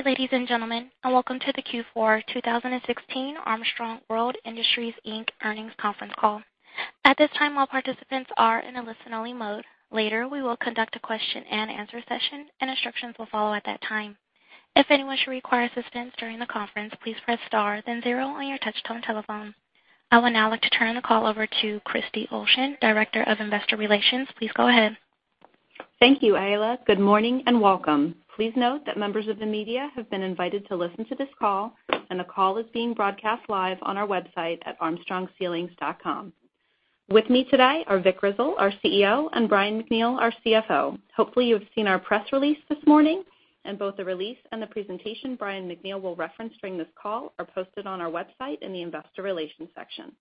Good day, ladies and gentlemen, and welcome to the Q4 2016 Armstrong World Industries, Inc. earnings conference call. At this time, all participants are in a listen-only mode. Later, we will conduct a question and answer session, and instructions will follow at that time. If anyone should require assistance during the conference, please press star, then zero on your touch-tone telephone. I would now like to turn the call over to Kristy Olshan, Director of Investor Relations. Please go ahead. Thank you, Ayla. Good morning, and welcome. Please note that members of the media have been invited to listen to this call, and the call is being broadcast live on our website at armstrongceilings.com. With me today are Vic Grizzle, our CEO, and Brian MacNeal, our CFO. Hopefully, you have seen our press release this morning, and both the release and the presentation Brian MacNeal will reference during this call are posted on our website in the investor relations section.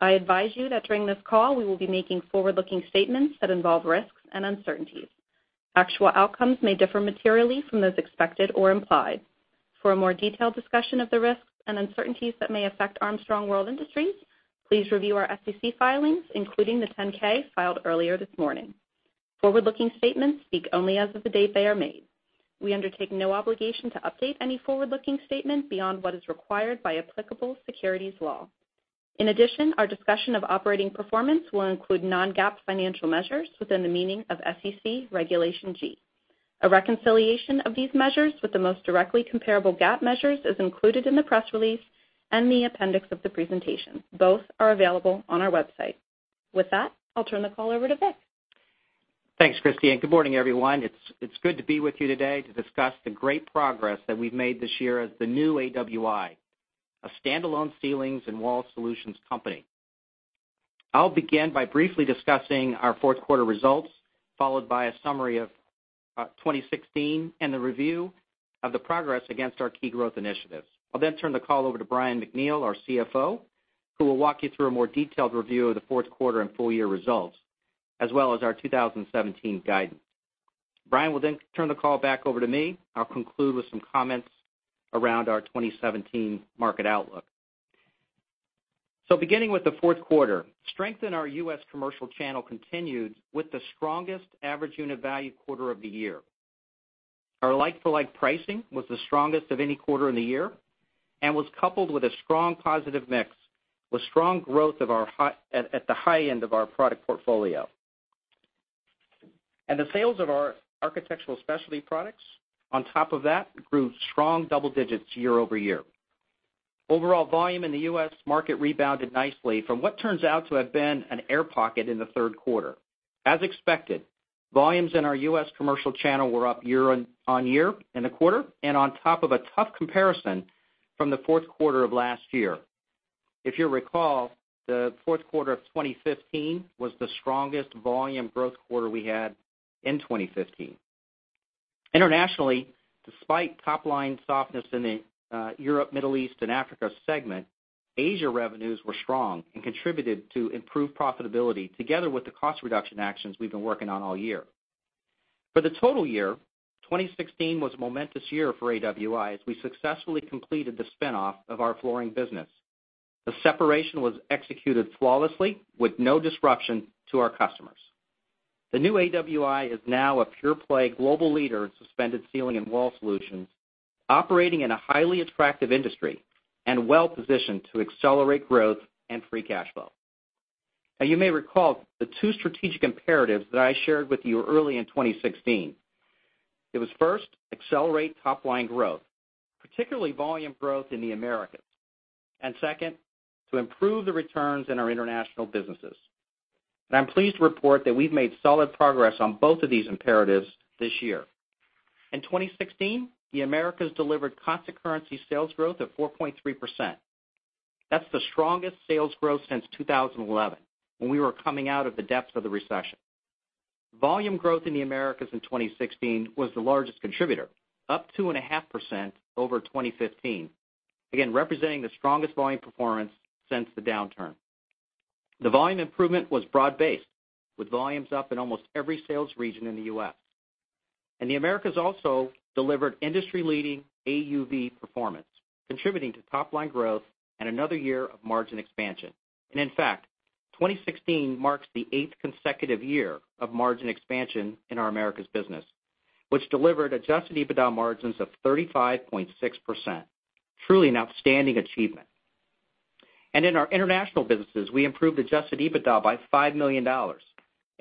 I advise you that during this call, we will be making forward-looking statements that involve risks and uncertainties. Actual outcomes may differ materially from those expected or implied. For a more detailed discussion of the risks and uncertainties that may affect Armstrong World Industries, please review our SEC filings, including the 10-K filed earlier this morning. Forward-looking statements speak only as of the date they are made. We undertake no obligation to update any forward-looking statement beyond what is required by applicable securities law. In addition, our discussion of operating performance will include non-GAAP financial measures within the meaning of SEC Regulation G. A reconciliation of these measures with the most directly comparable GAAP measures is included in the press release and the appendix of the presentation. Both are available on our website. With that, I'll turn the call over to Vic. Thanks, Kristy, and good morning, everyone. It's good to be with you today to discuss the great progress that we've made this year as the new AWI, a standalone ceilings and wall solutions company. I'll begin by briefly discussing our fourth quarter results, followed by a summary of 2016 and the review of the progress against our key growth initiatives. I'll then turn the call over to Brian MacNeal, our CFO, who will walk you through a more detailed review of the fourth quarter and full-year results, as well as our 2017 guidance. Brian will then turn the call back over to me, and I'll conclude with some comments around our 2017 market outlook. Beginning with the fourth quarter, strength in our U.S. commercial channel continued with the strongest average unit value quarter of the year. Our like-for-like pricing was the strongest of any quarter in the year and was coupled with a strong positive mix with strong growth at the high end of our product portfolio. The sales of our Architectural Specialties products, on top of that, grew strong double-digits year-over-year. Overall volume in the U.S. market rebounded nicely from what turns out to have been an air pocket in the third quarter. As expected, volumes in our U.S. commercial channel were up year-over-year in the quarter and on top of a tough comparison from the fourth quarter of last year. If you recall, the fourth quarter of 2015 was the strongest volume growth quarter we had in 2015. Internationally, despite top-line softness in the Europe, Middle East, and Africa segment, Asia revenues were strong and contributed to improved profitability together with the cost reduction actions we've been working on all year. For the total year, 2016 was a momentous year for AWI as we successfully completed the spin-off of our flooring business. The separation was executed flawlessly with no disruption to our customers. The new AWI is now a pure-play global leader in suspended ceiling and wall solutions, operating in a highly attractive industry and well-positioned to accelerate growth and free cash flow. You may recall the two strategic imperatives that I shared with you early in 2016. It was first, accelerate top-line growth, particularly volume growth in the Americas. Second, to improve the returns in our international businesses. I'm pleased to report that we've made solid progress on both of these imperatives this year. In 2016, the Americas delivered constant currency sales growth of 4.3%. That's the strongest sales growth since 2011, when we were coming out of the depths of the recession. Volume growth in the Americas in 2016 was the largest contributor, up 2.5% over 2015. Again, representing the strongest volume performance since the downturn. The volume improvement was broad-based, with volumes up in almost every sales region in the U.S. The Americas also delivered industry-leading AUV performance, contributing to top-line growth and another year of margin expansion. In fact, 2016 marks the eighth consecutive year of margin expansion in our Americas business, which delivered adjusted EBITDA margins of 35.6%. Truly an outstanding achievement. In our international businesses, we improved adjusted EBITDA by $5 million, an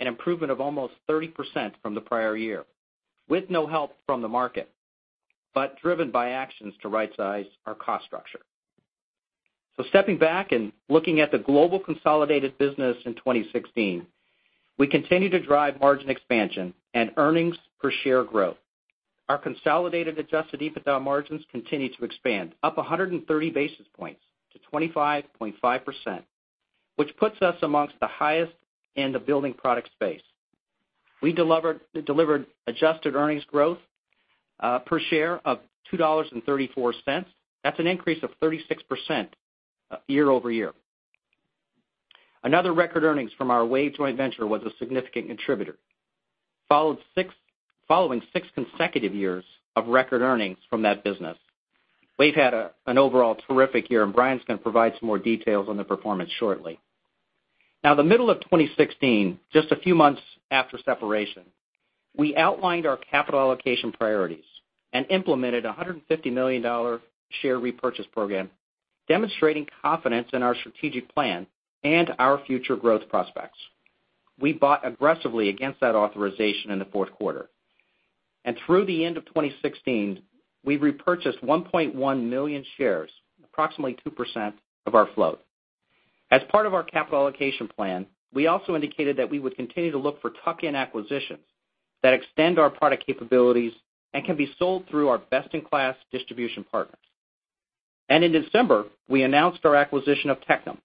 improvement of almost 30% from the prior year, with no help from the market, but driven by actions to rightsize our cost structure. Stepping back and looking at the global consolidated business in 2016, we continue to drive margin expansion and earnings per share growth. Our consolidated adjusted EBITDA margins continue to expand, up 130 basis points to 25.5%, which puts us amongst the highest in the building product space. We delivered adjusted earnings growth per share of $2.34. That's an increase of 36% year-over-year. Another record earnings from our WAVE joint venture was a significant contributor, following six consecutive years of record earnings from that business. WAVE had an overall terrific year, Brian's going to provide some more details on the performance shortly. The middle of 2016, just a few months after separation, we outlined our capital allocation priorities and implemented a $150 million share repurchase program, demonstrating confidence in our strategic plan and our future growth prospects. We bought aggressively against that authorization in the fourth quarter. Through the end of 2016, we repurchased 1.1 million shares, approximately 2% of our float. As part of our capital allocation plan, we also indicated that we would continue to look for tuck-in acquisitions that extend our product capabilities and can be sold through our best-in-class distribution partners. In December, we announced our acquisition of Tectum,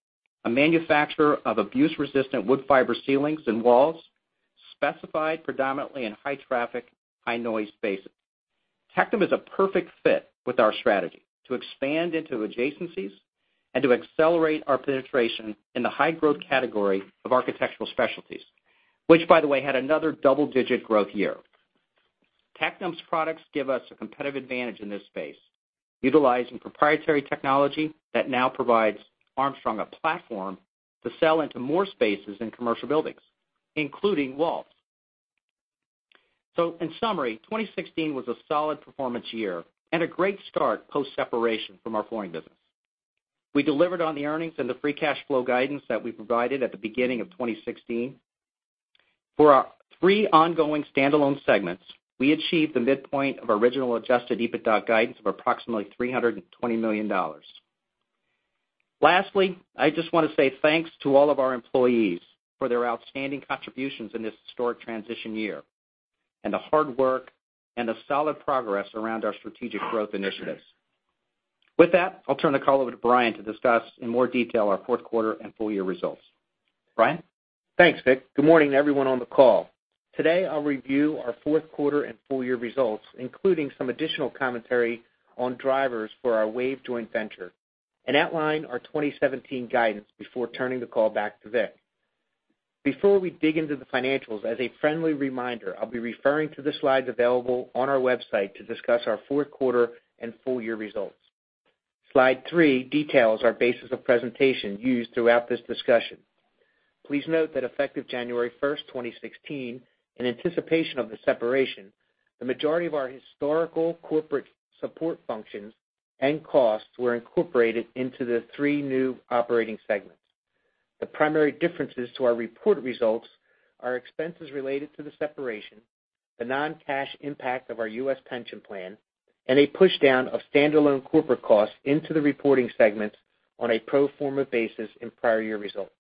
a manufacturer of abuse-resistant wood fiber ceilings and walls, specified predominantly in high-traffic, high-noise spaces. Tectum is a perfect fit with our strategy to expand into adjacencies and to accelerate our penetration in the high-growth category of Architectural Specialties, which, by the way, had another double-digit growth year. Tectum's products give us a competitive advantage in this space, utilizing proprietary technology that now provides Armstrong a platform to sell into more spaces in commercial buildings, including walls. In summary, 2016 was a solid performance year and a great start post-separation from our flooring business. We delivered on the earnings and the free cash flow guidance that we provided at the beginning of 2016. For our three ongoing standalone segments, we achieved the midpoint of original adjusted EBITDA guidance of approximately $320 million. Lastly, I just want to say thanks to all of our employees for their outstanding contributions in this historic transition year and the hard work and the solid progress around our strategic growth initiatives. With that, I'll turn the call over to Brian to discuss in more detail our fourth quarter and full-year results. Brian? Thanks, Vic. Good morning to everyone on the call. Today, I'll review our fourth quarter and full-year results, including some additional commentary on drivers for our WAVE joint venture, and outline our 2017 guidance before turning the call back to Vic. Before we dig into the financials, as a friendly reminder, I'll be referring to the slides available on our website to discuss our fourth quarter and full-year results. Slide three details our basis of presentation used throughout this discussion. Please note that effective January 1st, 2016, in anticipation of the separation, the majority of our historical corporate support functions and costs were incorporated into the three new operating segments. The primary differences to our reported results are expenses related to the separation, the non-cash impact of our U.S. pension plan, and a pushdown of standalone corporate costs into the reporting segments on a pro forma basis in prior year results.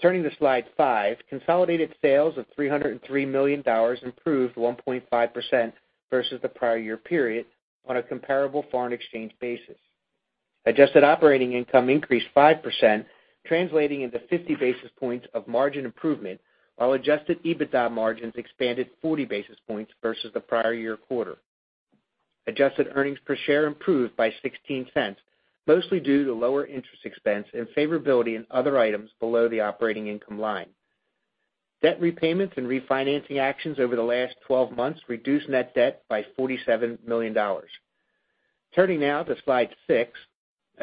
Turning to slide five, consolidated sales of $303 million improved 1.5% versus the prior year period on a comparable foreign exchange basis. Adjusted operating income increased 5%, translating into 50 basis points of margin improvement, while adjusted EBITDA margins expanded 40 basis points versus the prior year quarter. Adjusted earnings per share improved by $0.16, mostly due to lower interest expense and favorability in other items below the operating income line. Debt repayments and refinancing actions over the last 12 months reduced net debt by $47 million. Turning now to slide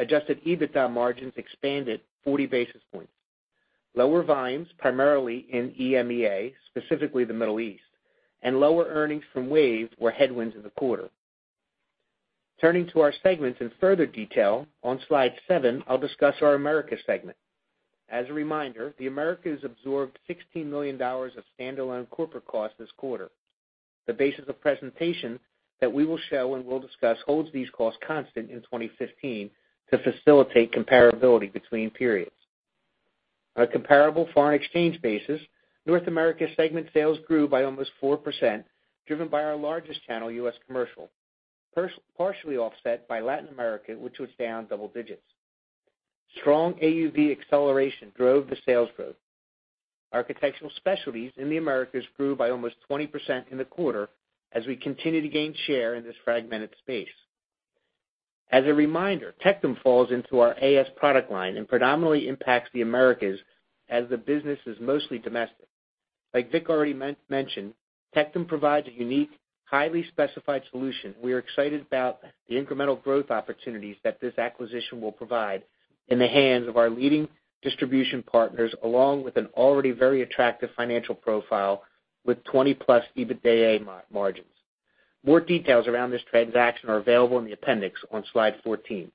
six, adjusted EBITDA margins expanded 40 basis points. Lower volumes, primarily in EMEA, specifically the Middle East, and lower earnings from WAVE were headwinds in the quarter. Turning to our segments in further detail, on slide seven, I will discuss our Americas segment. As a reminder, the Americas absorbed $16 million of standalone corporate costs this quarter. The basis of presentation that we will show and we will discuss holds these costs constant in 2015 to facilitate comparability between periods. On a comparable foreign exchange basis, North America segment sales grew by almost 4%, driven by our largest channel, U.S. commercial, partially offset by Latin America, which was down double digits. Strong AUV acceleration drove the sales growth. Architectural Specialties in the Americas grew by almost 20% in the quarter as we continue to gain share in this fragmented space. As a reminder, Tectum falls into our AS product line and predominantly impacts the Americas as the business is mostly domestic. Like Vic already mentioned, Tectum provides a unique, highly specified solution. We are excited about the incremental growth opportunities that this acquisition will provide in the hands of our leading distribution partners, along with an already very attractive financial profile with 20-plus EBITDA margins. More details around this transaction are available in the appendix on slide 14.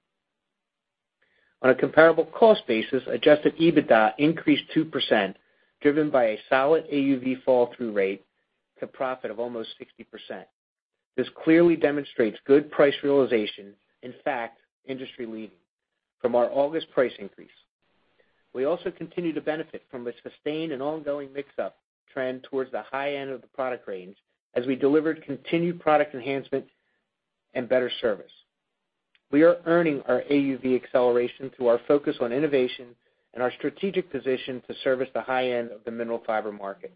On a comparable cost basis, adjusted EBITDA increased 2%, driven by a solid AUV fall-through rate to profit of almost 60%. This clearly demonstrates good price realization. In fact, industry-leading from our August price increase. We also continue to benefit from a sustained and ongoing mix-up trend towards the high end of the product range as we delivered continued product enhancement and better service. We are earning our AUV acceleration through our focus on innovation and our strategic position to service the high end of the mineral fiber market.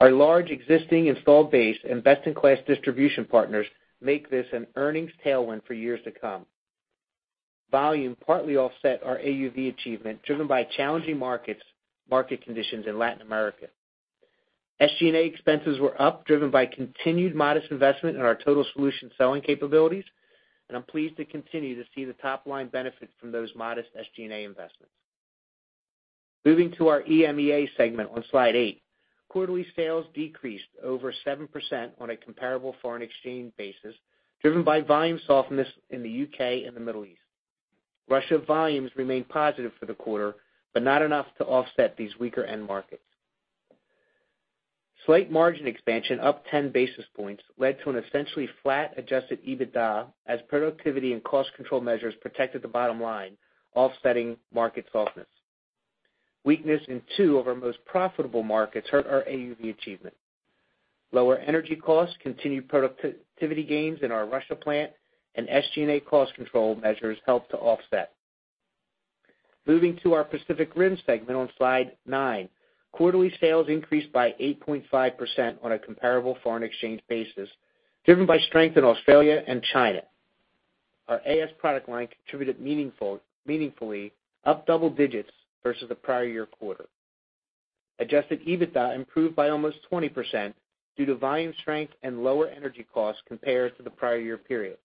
Our large existing installed base and best-in-class distribution partners make this an earnings tailwind for years to come. Volume partly offset our AUV achievement, driven by challenging market conditions in Latin America. SG&A expenses were up, driven by continued modest investment in our total solution selling capabilities, and I am pleased to continue to see the top-line benefit from those modest SG&A investments. Moving to our EMEA segment on Slide 8. Quarterly sales decreased over 7% on a comparable foreign exchange basis, driven by volume softness in the U.K. and the Middle East. Russia volumes remained positive for the quarter, but not enough to offset these weaker end markets. Slight margin expansion up 10 basis points led to an essentially flat adjusted EBITDA as productivity and cost control measures protected the bottom line, offsetting market softness. Weakness in two of our most profitable markets hurt our AUV achievement. Lower energy costs, continued productivity gains in our Russia plant, and SG&A cost control measures helped to offset. Moving to our Pacific Rim segment on Slide 9. Quarterly sales increased by 8.5% on a comparable foreign exchange basis, driven by strength in Australia and China. Our AS product line contributed meaningfully up double digits versus the prior year quarter. Adjusted EBITDA improved by almost 20% due to volume strength and lower energy costs compared to the prior year period.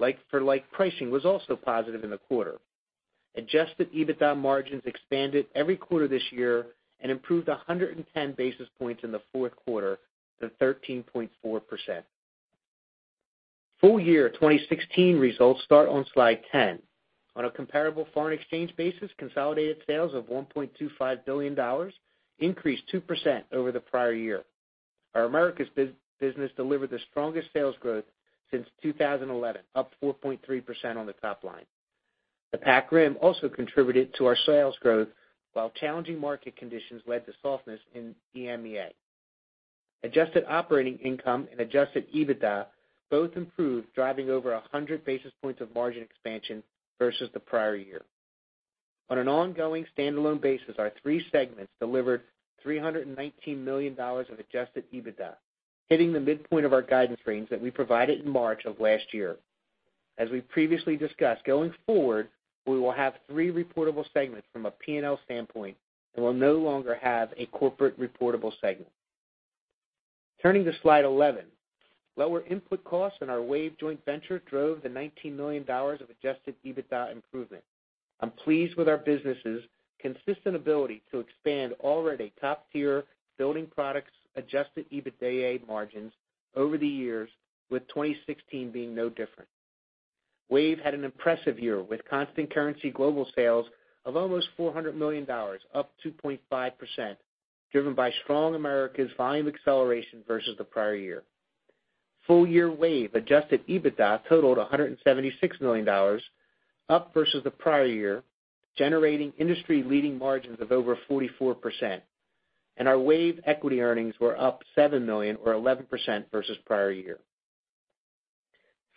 Like-for-like pricing was also positive in the quarter. Adjusted EBITDA margins expanded every quarter this year and improved 110 basis points in the fourth quarter to 13.4%. Full year 2016 results start on Slide 10. On a comparable foreign exchange basis, consolidated sales of $1.25 billion increased 2% over the prior year. Our Americas business delivered the strongest sales growth since 2011, up 4.3% on the top line. The Pac Rim also contributed to our sales growth, while challenging market conditions led to softness in EMEA. Adjusted operating income and adjusted EBITDA both improved, driving over 100 basis points of margin expansion versus the prior year. On an ongoing standalone basis, our three segments delivered $319 million of adjusted EBITDA, hitting the midpoint of our guidance range that we provided in March of last year. As we previously discussed, going forward, we will have three reportable segments from a P&L standpoint and will no longer have a corporate reportable segment. Turning to Slide 11. Lower input costs in our WAVE joint venture drove the $19 million of adjusted EBITDA improvement. I'm pleased with our business's consistent ability to expand already top-tier building products adjusted EBITDA margins over the years, with 2016 being no different. WAVE had an impressive year, with constant currency global sales of almost $400 million, up 2.5%, driven by strong Americas volume acceleration versus the prior year. Full year WAVE adjusted EBITDA totaled $176 million, up versus the prior year, generating industry-leading margins of over 44%. Our WAVE equity earnings were up $7 million or 11% versus prior year.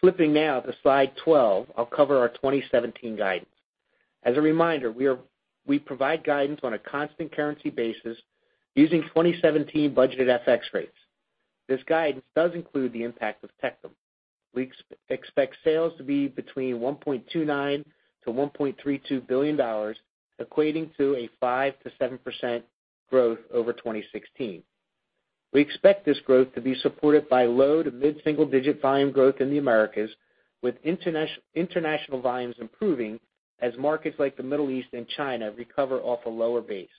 Flipping now to Slide 12, I'll cover our 2017 guidance. As a reminder, we provide guidance on a constant currency basis using 2017 budgeted FX rates. This guidance does include the impact of Tectum. We expect sales to be between $1.29 billion-$1.32 billion, equating to a 5%-7% growth over 2016. We expect this growth to be supported by low to mid-single-digit volume growth in the Americas, with international volumes improving as markets like the Middle East and China recover off a lower base.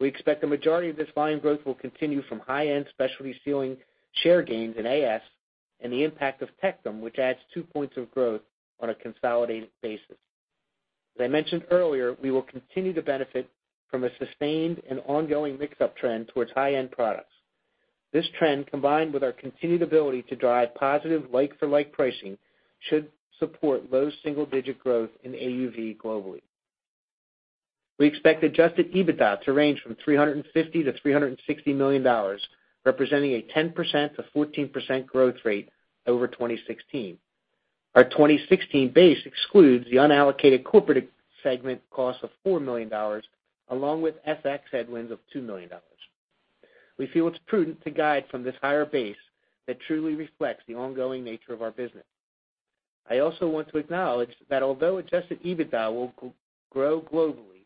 We expect the majority of this volume growth will continue from high-end specialty ceiling share gains in AS and the impact of Tectum, which adds two points of growth on a consolidated basis. As I mentioned earlier, we will continue to benefit from a sustained and ongoing mix-up trend towards high-end products. This trend, combined with our continued ability to drive positive like-for-like pricing, should support low single-digit growth in AUV globally. We expect adjusted EBITDA to range from $350 million-$360 million, representing a 10%-14% growth rate over 2016. Our 2016 base excludes the unallocated corporate segment cost of $4 million, along with FX headwinds of $2 million. We feel it's prudent to guide from this higher base that truly reflects the ongoing nature of our business. I also want to acknowledge that although adjusted EBITDA will grow globally,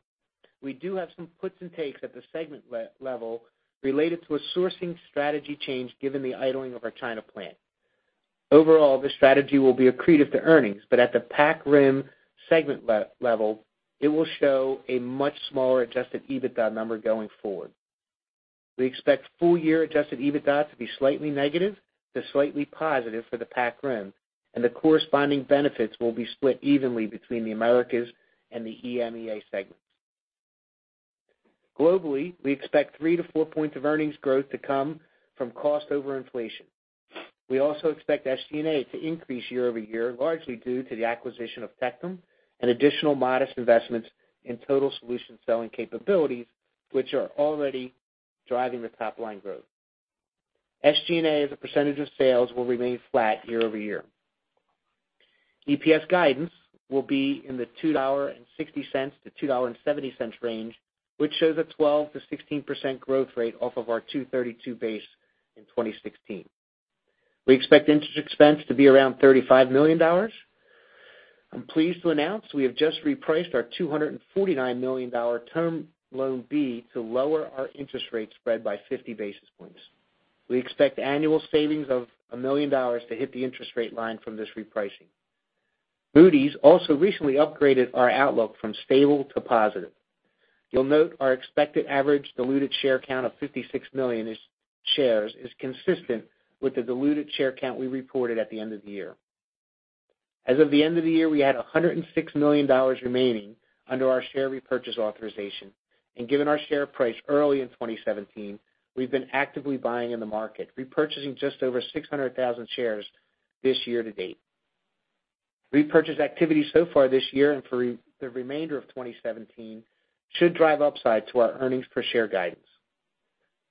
we do have some puts and takes at the segment level related to a sourcing strategy change given the idling of our China plant. Overall, the strategy will be accretive to earnings, but at the Pac Rim segment level, it will show a much smaller adjusted EBITDA number going forward. We expect full year adjusted EBITDA to be slightly negative to slightly positive for the Pac Rim, and the corresponding benefits will be split evenly between the Americas and the EMEA segments. Globally, we expect three to four points of earnings growth to come from cost over inflation. We also expect SG&A to increase year-over-year, largely due to the acquisition of Tectum and additional modest investments in total solution selling capabilities, which are already driving the top-line growth. SG&A, as a percentage of sales, will remain flat year-over-year. EPS guidance will be in the $2.60-$2.70 range, which shows a 12%-16% growth rate off of our $2.32 base in 2016. We expect interest expense to be around $35 million. I'm pleased to announce we have just repriced our $249 million Term Loan B to lower our interest rate spread by 50 basis points. We expect annual savings of $1 million to hit the interest rate line from this repricing. Moody's also recently upgraded our outlook from stable to positive. You'll note our expected average diluted share count of 56 million shares is consistent with the diluted share count we reported at the end of the year. As of the end of the year, we had $106 million remaining under our share repurchase authorization. Given our share price early in 2017, we've been actively buying in the market, repurchasing just over 600,000 shares this year to date. Repurchase activity so far this year and for the remainder of 2017 should drive upside to our earnings per share guidance.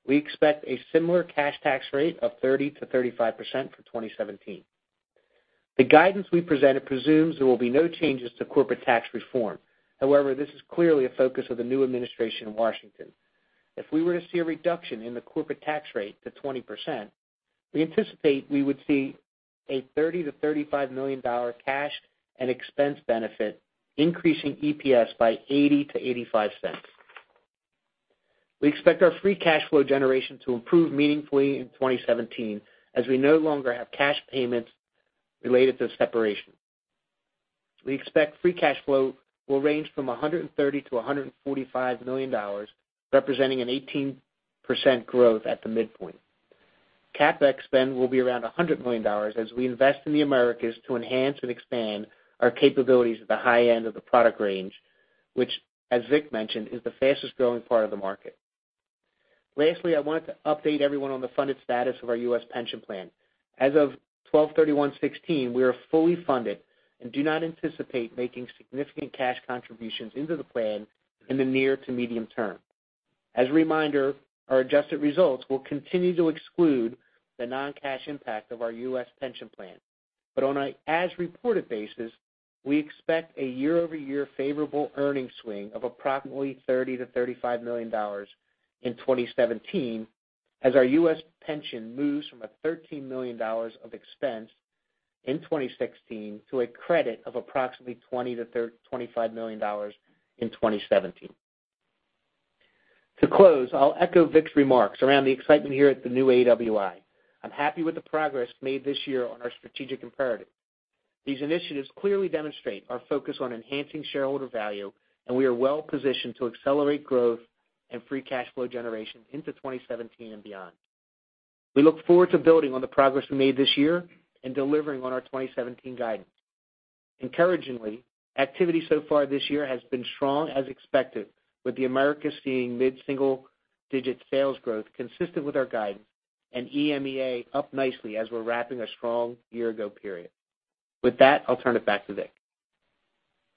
We expect a similar cash tax rate of 30%-35% for 2017. The guidance we presented presumes there will be no changes to corporate tax reform. However, this is clearly a focus of the new administration in Washington. If we were to see a reduction in the corporate tax rate to 20%, we anticipate we would see a $30 million-$35 million cash and expense benefit, increasing EPS by $0.80-$0.85. We expect our free cash flow generation to improve meaningfully in 2017 as we no longer have cash payments related to separation. We expect free cash flow will range from $130 million-$145 million, representing an 18% growth at the midpoint. CapEx spend will be around $100 million as we invest in the Americas to enhance and expand our capabilities at the high end of the product range, which, as Vic mentioned, is the fastest-growing part of the market. Lastly, I wanted to update everyone on the funded status of our U.S. pension plan. As of 12/31/2016, we are fully funded and do not anticipate making significant cash contributions into the plan in the near to medium term. As a reminder, our adjusted results will continue to exclude the non-cash impact of our U.S. pension plan. On an as-reported basis, we expect a year-over-year favorable earnings swing of approximately $30 million-$35 million in 2017 as our U.S. pension moves from a $13 million of expense in 2016 to a credit of approximately $20 million-$25 million in 2017. To close, I'll echo Vic's remarks around the excitement here at the new AWI. I'm happy with the progress made this year on our strategic imperatives. These initiatives clearly demonstrate our focus on enhancing shareholder value, we are well positioned to accelerate growth and free cash flow generation into 2017 and beyond. We look forward to building on the progress we made this year and delivering on our 2017 guidance. Encouragingly, activity so far this year has been strong as expected, with the Americas seeing mid-single-digit sales growth consistent with our guidance and EMEA up nicely as we're wrapping a strong year ago period. With that, I'll turn it back to Vic.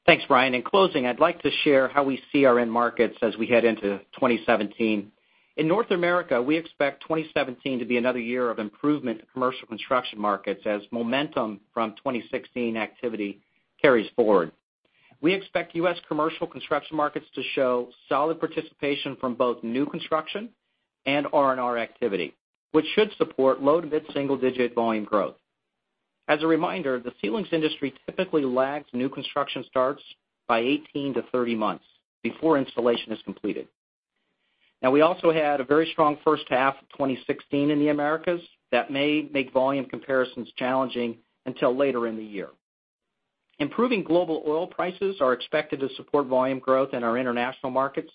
Thanks, Brian. In closing, I'd like to share how we see our end markets as we head into 2017. In North America, we expect 2017 to be another year of improvement in commercial construction markets as momentum from 2016 activity carries forward. We expect U.S. commercial construction markets to show solid participation from both new construction and R&R activity, which should support low to mid-single-digit volume growth. As a reminder, the ceilings industry typically lags new construction starts by 18-30 months before installation is completed. We also had a very strong first half of 2016 in the Americas that may make volume comparisons challenging until later in the year. Improving global oil prices are expected to support volume growth in our international markets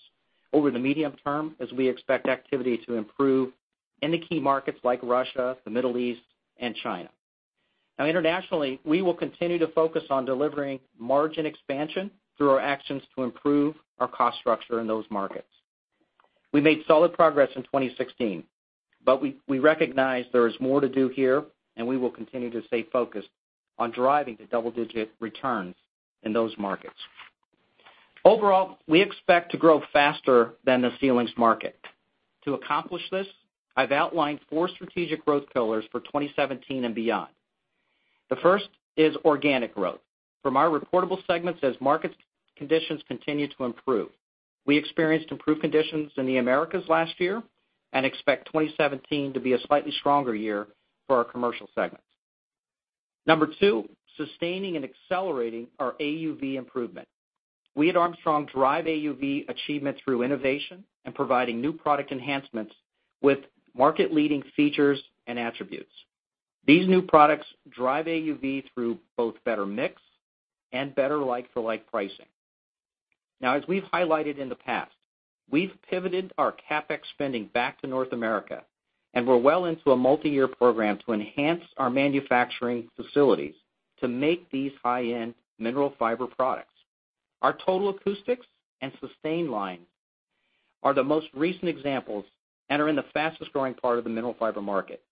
over the medium term, as we expect activity to improve in the key markets like Russia, the Middle East, and China. Internationally, we will continue to focus on delivering margin expansion through our actions to improve our cost structure in those markets. We made solid progress in 2016, but we recognize there is more to do here, and we will continue to stay focused on driving the double-digit returns in those markets. Overall, we expect to grow faster than the ceilings market. To accomplish this, I've outlined 4 strategic growth pillars for 2017 and beyond. The first is organic growth from our reportable segments as market conditions continue to improve. We experienced improved conditions in the Americas last year and expect 2017 to be a slightly stronger year for our commercial segments. Number 2, sustaining and accelerating our AUV improvement. We at Armstrong drive AUV achievement through innovation and providing new product enhancements with market-leading features and attributes. These new products drive AUV through both better mix and better like-for-like pricing. As we've highlighted in the past, we've pivoted our CapEx spending back to North America, and we're well into a multi-year program to enhance our manufacturing facilities to make these high-end mineral fiber products. Our Total Acoustics and SUSTAIN line are the most recent examples and are in the fastest-growing part of the mineral fiber market,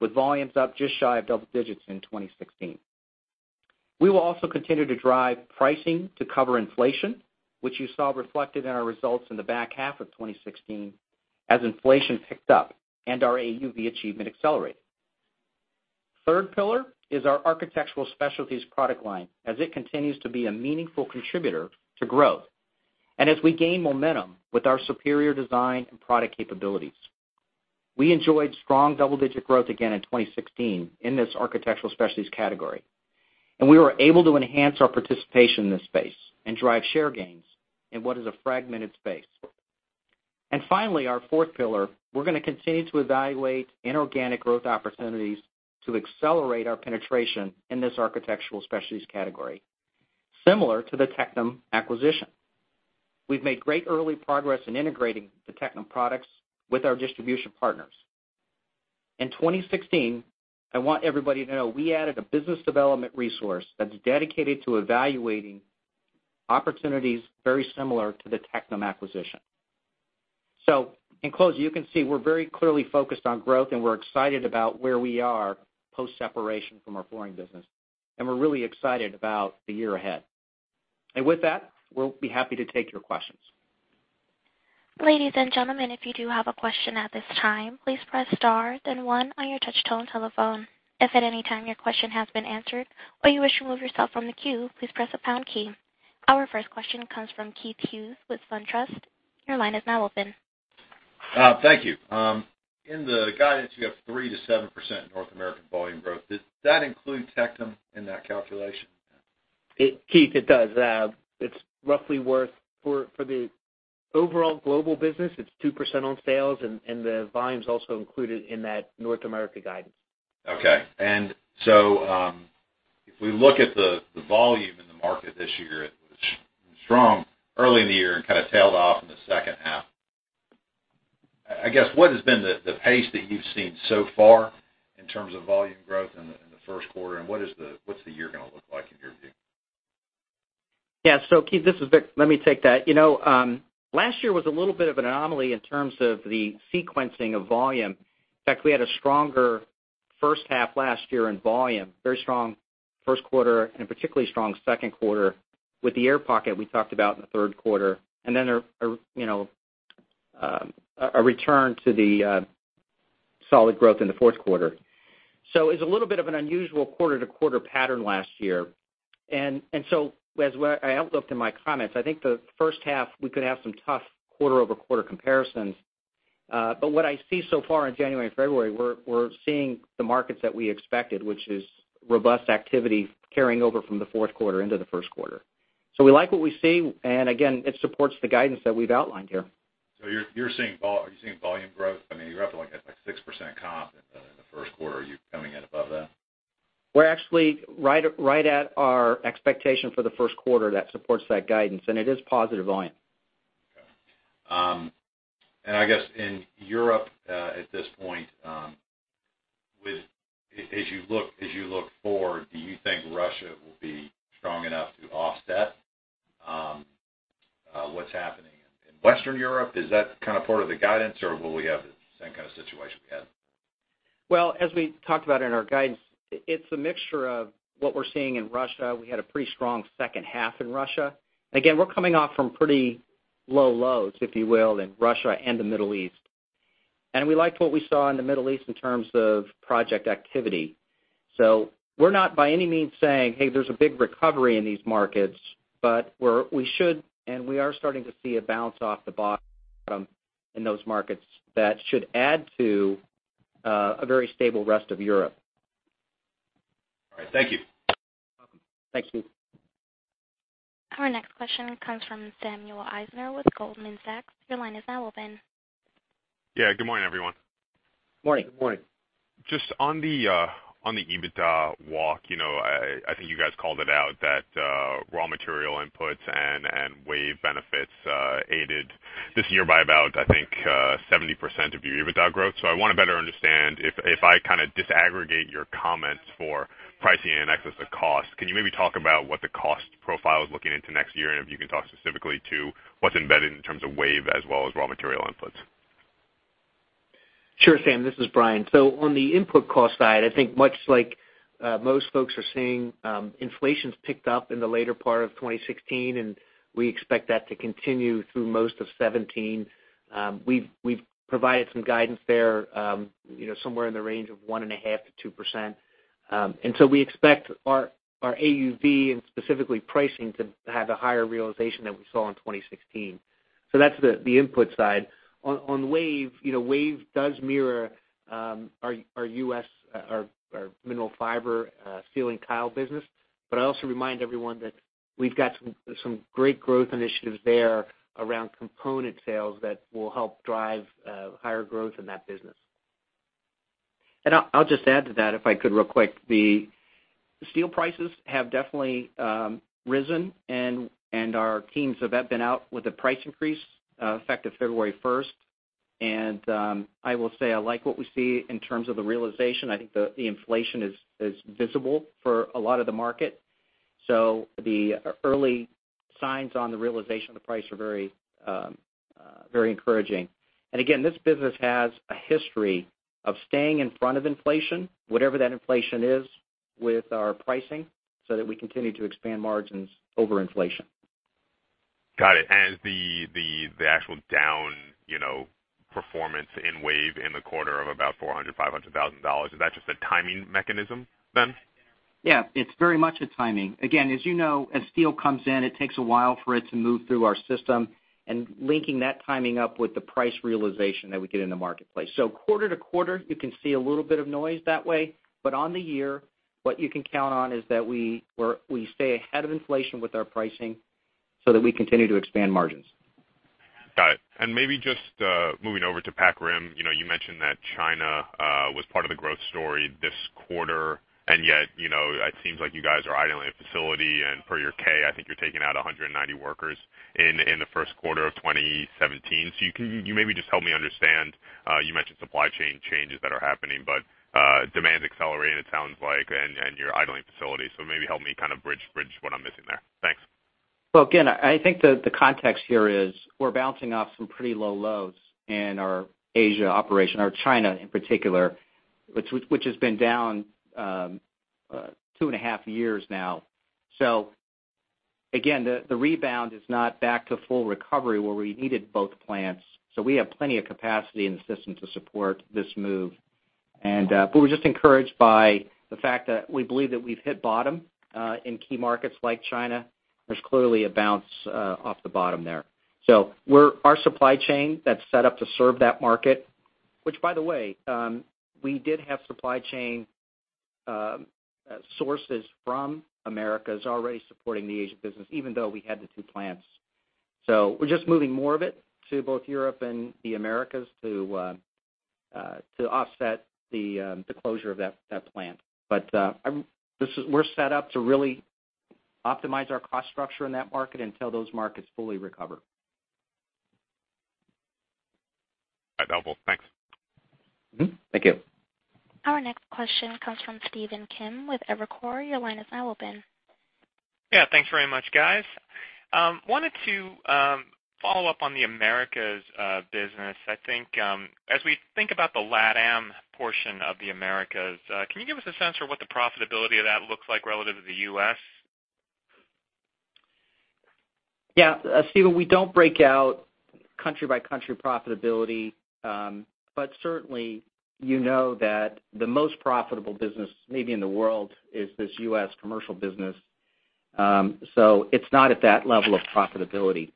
with volumes up just shy of double digits in 2016. We will also continue to drive pricing to cover inflation, which you saw reflected in our results in the back half of 2016 as inflation picked up and our AUV achievement accelerated. Third pillar is our Architectural Specialties product line, as it continues to be a meaningful contributor to growth and as we gain momentum with our superior design and product capabilities. We enjoyed strong double-digit growth again in 2016 in this Architectural Specialties category. We were able to enhance our participation in this space and drive share gains in what is a fragmented space. Finally, our fourth pillar, we're going to continue to evaluate inorganic growth opportunities to accelerate our penetration in this Architectural Specialties category, similar to the Tectum acquisition. We've made great early progress in integrating the Tectum products with our distribution partners. In 2016, I want everybody to know we added a business development resource that's dedicated to evaluating opportunities very similar to the Tectum acquisition. In closing, you can see we're very clearly focused on growth, and we're excited about where we are post-separation from our flooring business, and we're really excited about the year ahead. With that, we'll be happy to take your questions. Ladies and gentlemen, if you do have a question at this time, please press star, then one on your touch-tone telephone. If at any time your question has been answered or you wish to remove yourself from the queue, please press the pound key. Our first question comes from Keith Hughes with SunTrust. Your line is now open. Thank you. In the guidance, you have 3%-7% North American volume growth. Did that include Tectum in that calculation? Keith, it does. It's roughly worth, for the overall global business, it's 2% on sales, and the volume is also included in that North America guidance. Okay. If we look at the volume in the market this year, it was strong early in the year and kind of tailed off in the second half. I guess, what has been the pace that you've seen so far in terms of volume growth in the first quarter, and what's the year going to look like in your view? Yeah. Keith, this is Vic. Let me take that. Last year was a little bit of an anomaly in terms of the sequencing of volume. In fact, we had a stronger first half last year in volume, very strong first quarter and a particularly strong second quarter with the air pocket we talked about in the third quarter, then a return to the solid growth in the fourth quarter. It's a little bit of an unusual quarter-to-quarter pattern last year. As I outlined in my comments, I think the first half we could have some tough quarter-over-quarter comparisons. What I see so far in January and February, we're seeing the markets that we expected, which is robust activity carrying over from the fourth quarter into the first quarter. We like what we see, and again, it supports the guidance that we've outlined here. Are you seeing volume growth? You're up to like a 6% comp in the first quarter. Are you coming in above that? We're actually right at our expectation for the first quarter that supports that guidance, and it is positive volume. Okay. I guess in Europe, at this point, as you look forward, do you think Russia will be strong enough to offset what's happening in Western Europe? Is that kind of part of the guidance, or will we have the same kind of situation we had? Well, as we talked about in our guidance, it's a mixture of what we're seeing in Russia. We had a pretty strong second half in Russia. Again, we're coming off from pretty low lows, if you will, in Russia and the Middle East. We liked what we saw in the Middle East in terms of project activity. We're not, by any means, saying, "Hey, there's a big recovery in these markets," but we should and we are starting to see a bounce off the bottom in those markets that should add to a very stable rest of Europe. All right. Thank you. You're welcome. Thank you. Our next question comes from Samuel Eisner with Goldman Sachs. Your line is now open. Yeah. Good morning, everyone. Morning. Good morning. Just on the EBITDA walk, I think you guys called it out that raw material inputs and WAVE benefits aided this year by about, I think, 70% of your EBITDA growth. I want to better understand if I kind of disaggregate your comments for pricing and excess to cost, can you maybe talk about what the cost profile is looking into next year? If you can talk specifically to what's embedded in terms of WAVE as well as raw material inputs. Sure, Samuel. This is Brian MacNeal. On the input cost side, I think much like most folks are seeing, inflation's picked up in the later part of 2016, and we expect that to continue through most of 2017. We've provided some guidance there, somewhere in the range of 1.5%-2%. We expect our AUV and specifically pricing to have a higher realization than we saw in 2016. That's the input side. On WAVE does mirror our mineral fiber ceiling tile business. I also remind everyone that we've got some great growth initiatives there around component sales that will help drive higher growth in that business. I'll just add to that, if I could, real quick. The steel prices have definitely risen, and our teams have been out with a price increase effective February 1st, and I will say I like what we see in terms of the realization. I think the inflation is visible for a lot of the market. The early signs on the realization of the price are very encouraging. Again, this business has a history of staying in front of inflation, whatever that inflation is, with our pricing so that we continue to expand margins over inflation. Got it. The actual down performance in WAVE in the quarter of about $400,000-$500,000, is that just a timing mechanism then? Yeah, it's very much a timing. Again, as you know, as steel comes in, it takes a while for it to move through our system and linking that timing up with the price realization that we get in the marketplace. Quarter to quarter, you can see a little bit of noise that way, on the year, what you can count on is that we stay ahead of inflation with our pricing so that we continue to expand margins. Got it. Maybe just moving over to Pac Rim. You mentioned that China was part of the growth story this quarter, yet, it seems like you guys are idling a facility and per your 10-K, I think you're taking out 190 workers in the first quarter of 2017. Can you maybe just help me understand, you mentioned supply chain changes that are happening, but demand is accelerating, it sounds like, and you're idling facilities, maybe help me kind of bridge what I'm missing there. Thanks. Again, I think the context here is we're bouncing off some pretty low lows in our Asia operation, or China in particular, which has been down two and a half years now. Again, the rebound is not back to full recovery where we needed both plants. We have plenty of capacity in the system to support this move. We're just encouraged by the fact that we believe that we've hit bottom, in key markets like China. There's clearly a bounce off the bottom there. Our supply chain that's set up to serve that market, which by the way, we did have supply chain sources from Americas already supporting the Asia business, even though we had the two plants. We're just moving more of it to both Europe and the Americas to offset the closure of that plant. We're set up to really optimize our cost structure in that market until those markets fully recover. That's helpful. Thanks. Mm-hmm. Thank you. Our next question comes from Stephen Kim with Evercore. Your line is now open. Yeah. Thanks very much, guys. Wanted to follow up on the Americas business. I think, as we think about the LATAM portion of the Americas, can you give us a sense for what the profitability of that looks like relative to the U.S.? Yeah. Stephen, we don't break out country by country profitability. Certainly, you know that the most profitable business, maybe in the world, is this U.S. commercial business. It's not at that level of profitability.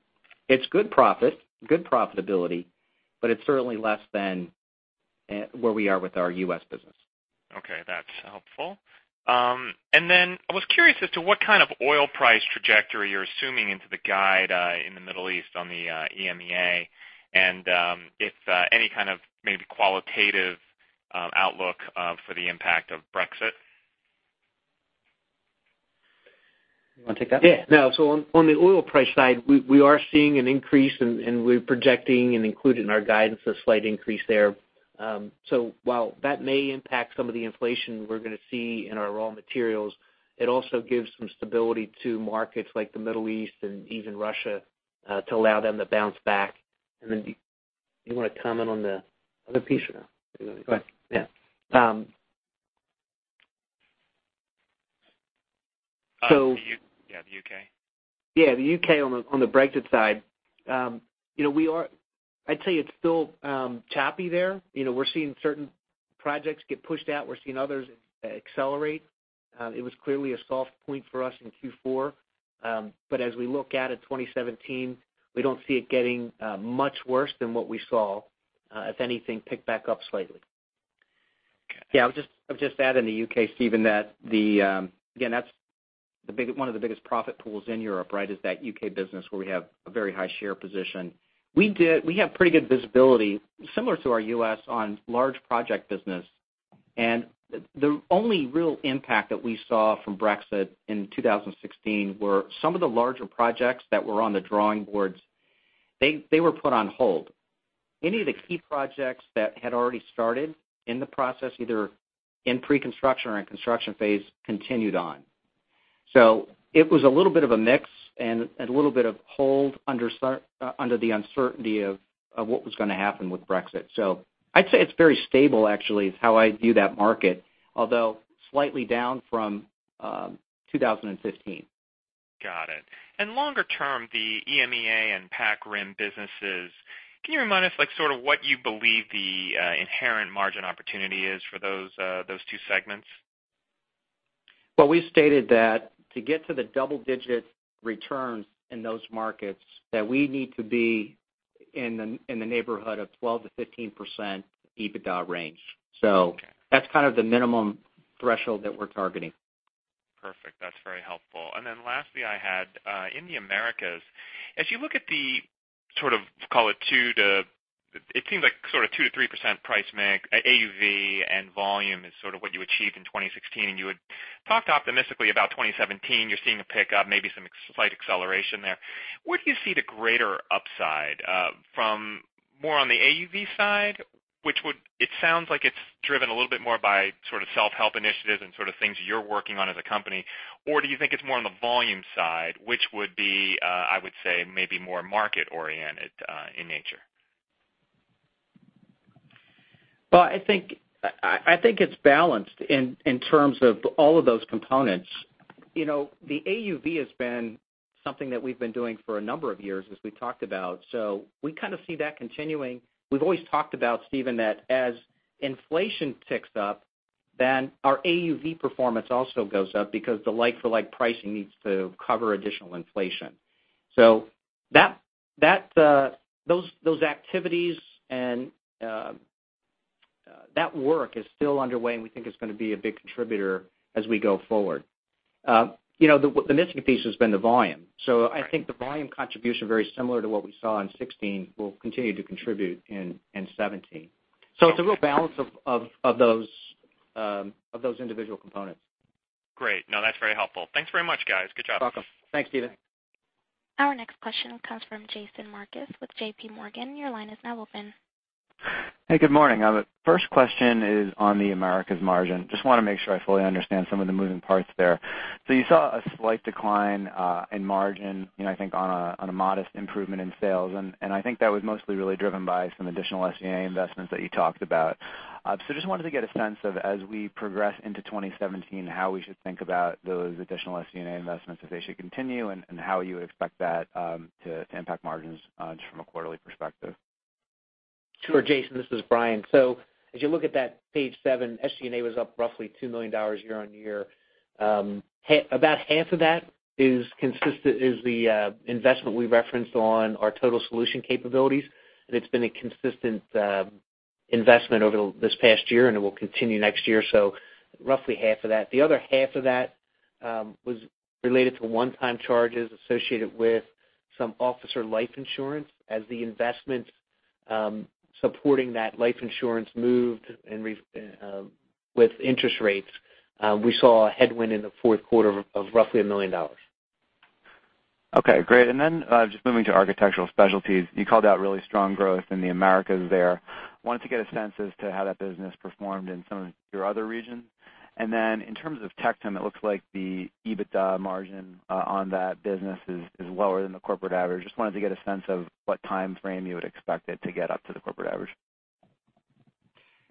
It's good profit, good profitability, but it's certainly less than where we are with our U.S. business. Okay, that's helpful. I was curious as to what kind of oil price trajectory you're assuming into the guide, in the Middle East on the EMEA, and if any kind of maybe qualitative outlook for the impact of Brexit. You want to take that? Yeah. On the oil price side, we are seeing an increase and we're projecting and including in our guidance a slight increase there. While that may impact some of the inflation we're going to see in our raw materials, it also gives some stability to markets like the Middle East and even Russia, to allow them to bounce back. Do you want to comment on the other piece or no? You go ahead. Yeah. On the U.K.? Yeah, the U.K. on the Brexit side. I'd tell you it's still choppy there. We're seeing certain projects get pushed out. We're seeing others accelerate. It was clearly a soft point for us in Q4. As we look out at 2017, we don't see it getting much worse than what we saw. If anything, pick back up slightly. Yeah. I'll just add in the U.K., Stephen, that again, that's one of the biggest profit pools in Europe, right? Is that U.K. business where we have a very high share position. We have pretty good visibility similar to our U.S. on large project business. The only real impact that we saw from Brexit in 2016 were some of the larger projects that were on the drawing boards. They were put on hold. Any of the key projects that had already started in the process, either in pre-construction or in construction phase, continued on. It was a little bit of a mix and a little bit of hold under the uncertainty of what was going to happen with Brexit. I'd say it's very stable, actually, is how I view that market, although slightly down from 2015. Got it. Longer term, the EMEA and Pac Rim businesses, can you remind us, like sort of what you believe the inherent margin opportunity is for those two segments? Well, we stated that to get to the double-digit returns in those markets, that we need to be in the neighborhood of 12%-15% EBITDA range. Okay. That's kind of the minimum threshold that we're targeting. Perfect. That's very helpful. Lastly, I had, in the Americas, as you look at the sort of 2%-3% price mix, AUV and volume is sort of what you achieved in 2016, and you had talked optimistically about 2017. You're seeing a pickup, maybe some slight acceleration there. Where do you see the greater upside from more on the AUV side, which it sounds like it's driven a little bit more by sort of self-help initiatives and sort of things you're working on as a company, or do you think it's more on the volume side, which would be, I would say maybe more market-oriented in nature? Well, I think it's balanced in terms of all of those components. The AUV has been something that we've been doing for a number of years, as we've talked about, so we kind of see that continuing. We've always talked about, Stephen, that as inflation ticks up, then our AUV performance also goes up because the like-for-like pricing needs to cover additional inflation. Those activities and that work is still underway, and we think is going to be a big contributor as we go forward. The missing piece has been the volume. I think the volume contribution, very similar to what we saw in 2016, will continue to contribute in 2017. It's a real balance of those individual components. Great. No, that's very helpful. Thanks very much, guys. Good job. You're welcome. Thanks, Stephen. Our next question comes from Jason Marcus with J.P. Morgan. Your line is now open. Hey, good morning. First question is on the Americas margin. I just want to make sure I fully understand some of the moving parts there. You saw a slight decline in margin, I think, on a modest improvement in sales, I think that was mostly really driven by some additional SG&A investments that you talked about. I just wanted to get a sense of, as we progress into 2017, how we should think about those additional SG&A investments, if they should continue, and how you would expect that to impact margins just from a quarterly perspective. Sure, Jason, this is Brian. As you look at that page seven, SG&A was up roughly $2 million year-over-year. About half of that is the investment we referenced on our total solution capabilities, and it's been a consistent investment over this past year, and it will continue next year. Roughly half of that. The other half of that was related to one-time charges associated with some officer life insurance. As the investment supporting that life insurance moved with interest rates, we saw a headwind in the fourth quarter of roughly a million dollars. Okay, great. Just moving to Architectural Specialties, you called out really strong growth in the Americas there. Wanted to get a sense as to how that business performed in some of your other regions. In terms of Tectum, it looks like the EBITDA margin on that business is lower than the corporate average. Just wanted to get a sense of what timeframe you would expect it to get up to the corporate average.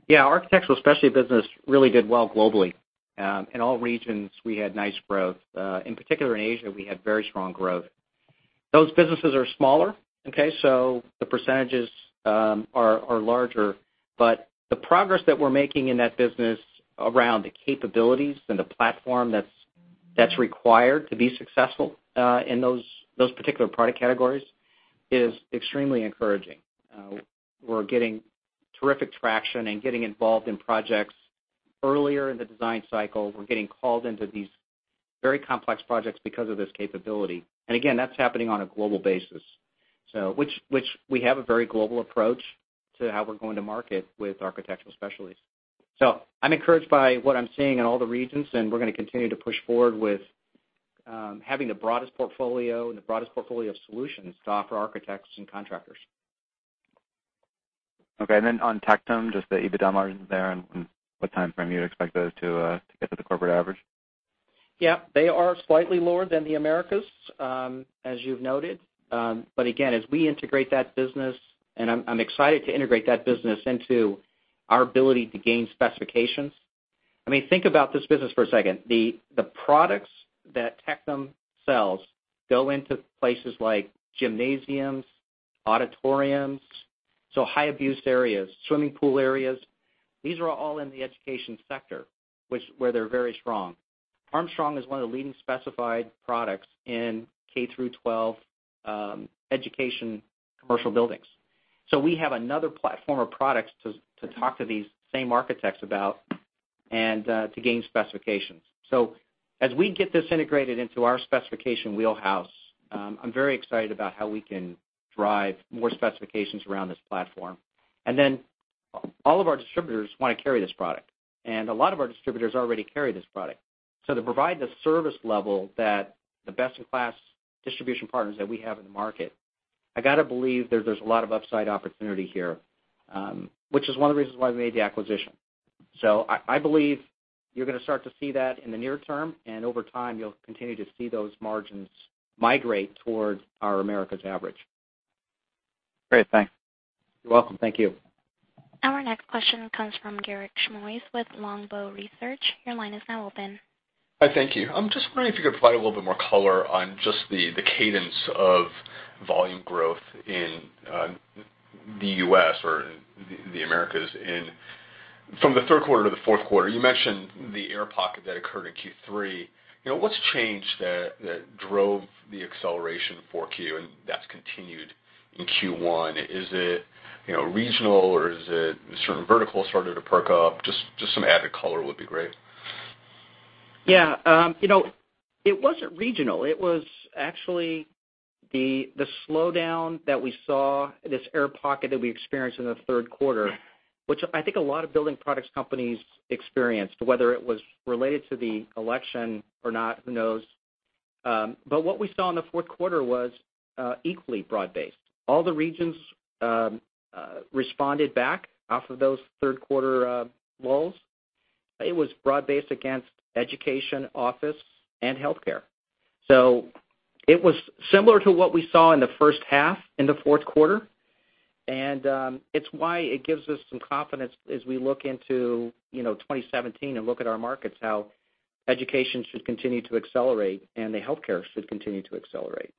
Yeah. Architectural Specialties business really did well globally. In all regions, we had nice growth. In particular, in Asia, we had very strong growth. Those businesses are smaller. Okay? The percentages are larger. The progress that we're making in that business around the capabilities and the platform that's required to be successful in those particular product categories is extremely encouraging. We're getting terrific traction and getting involved in projects earlier in the design cycle. We're getting called into these very complex projects because of this capability. Again, that's happening on a global basis. Which we have a very global approach to how we're going to market with Architectural Specialties. I'm encouraged by what I'm seeing in all the regions, and we're going to continue to push forward with having the broadest portfolio and the broadest portfolio of solutions to offer architects and contractors. Okay, on Tectum, just the EBITDA margins there and what timeframe you'd expect those to get to the corporate average? Yeah. They are slightly lower than the Americas, as you've noted. Again, as we integrate that business, and I mean excited to integrate that business into our ability to gain specifications. I mean, think about this business for a second. The products that Tectum sells go into places like gymnasiums, auditoriums, so high abuse areas, swimming pool areas. These are all in the education sector, where they're very strong. Armstrong is one of the leading specified products in K through 12 education commercial buildings. We have another platform of products to talk to these same architects about and to gain specifications. All of our distributors want to carry this product, and a lot of our distributors already carry this product. To provide the service level that the best-in-class distribution partners that we have in the market, I got to believe there's a lot of upside opportunity here, which is one of the reasons why we made the acquisition. I believe you're going to start to see that in the near term, and over time, you'll continue to see those margins migrate towards our Americas average. Great, thanks. You're welcome. Thank you. Our next question comes from Garik Shmois with Longbow Research. Your line is now open. Hi, thank you. I'm just wondering if you could provide a little bit more color on just the cadence of volume growth in the U.S. or the Americas from the third quarter to the fourth quarter. You mentioned the air pocket that occurred in Q3. What's changed that drove the acceleration for Q, and that's continued in Q1? Is it regional or is it a certain vertical started to perk up? Just some added color would be great. Yeah. It wasn't regional. It was actually the slowdown that we saw, this air pocket that we experienced in the third quarter, which I think a lot of building products companies experienced, whether it was related to the election or not, who knows. What we saw in the fourth quarter was equally broad-based. All the regions responded back off of those third quarter lulls. It was broad-based against education, office, and healthcare. It was similar to what we saw in the first half, in the fourth quarter. It's why it gives us some confidence as we look into 2017 and look at our markets, how education should continue to accelerate and the healthcare should continue to accelerate.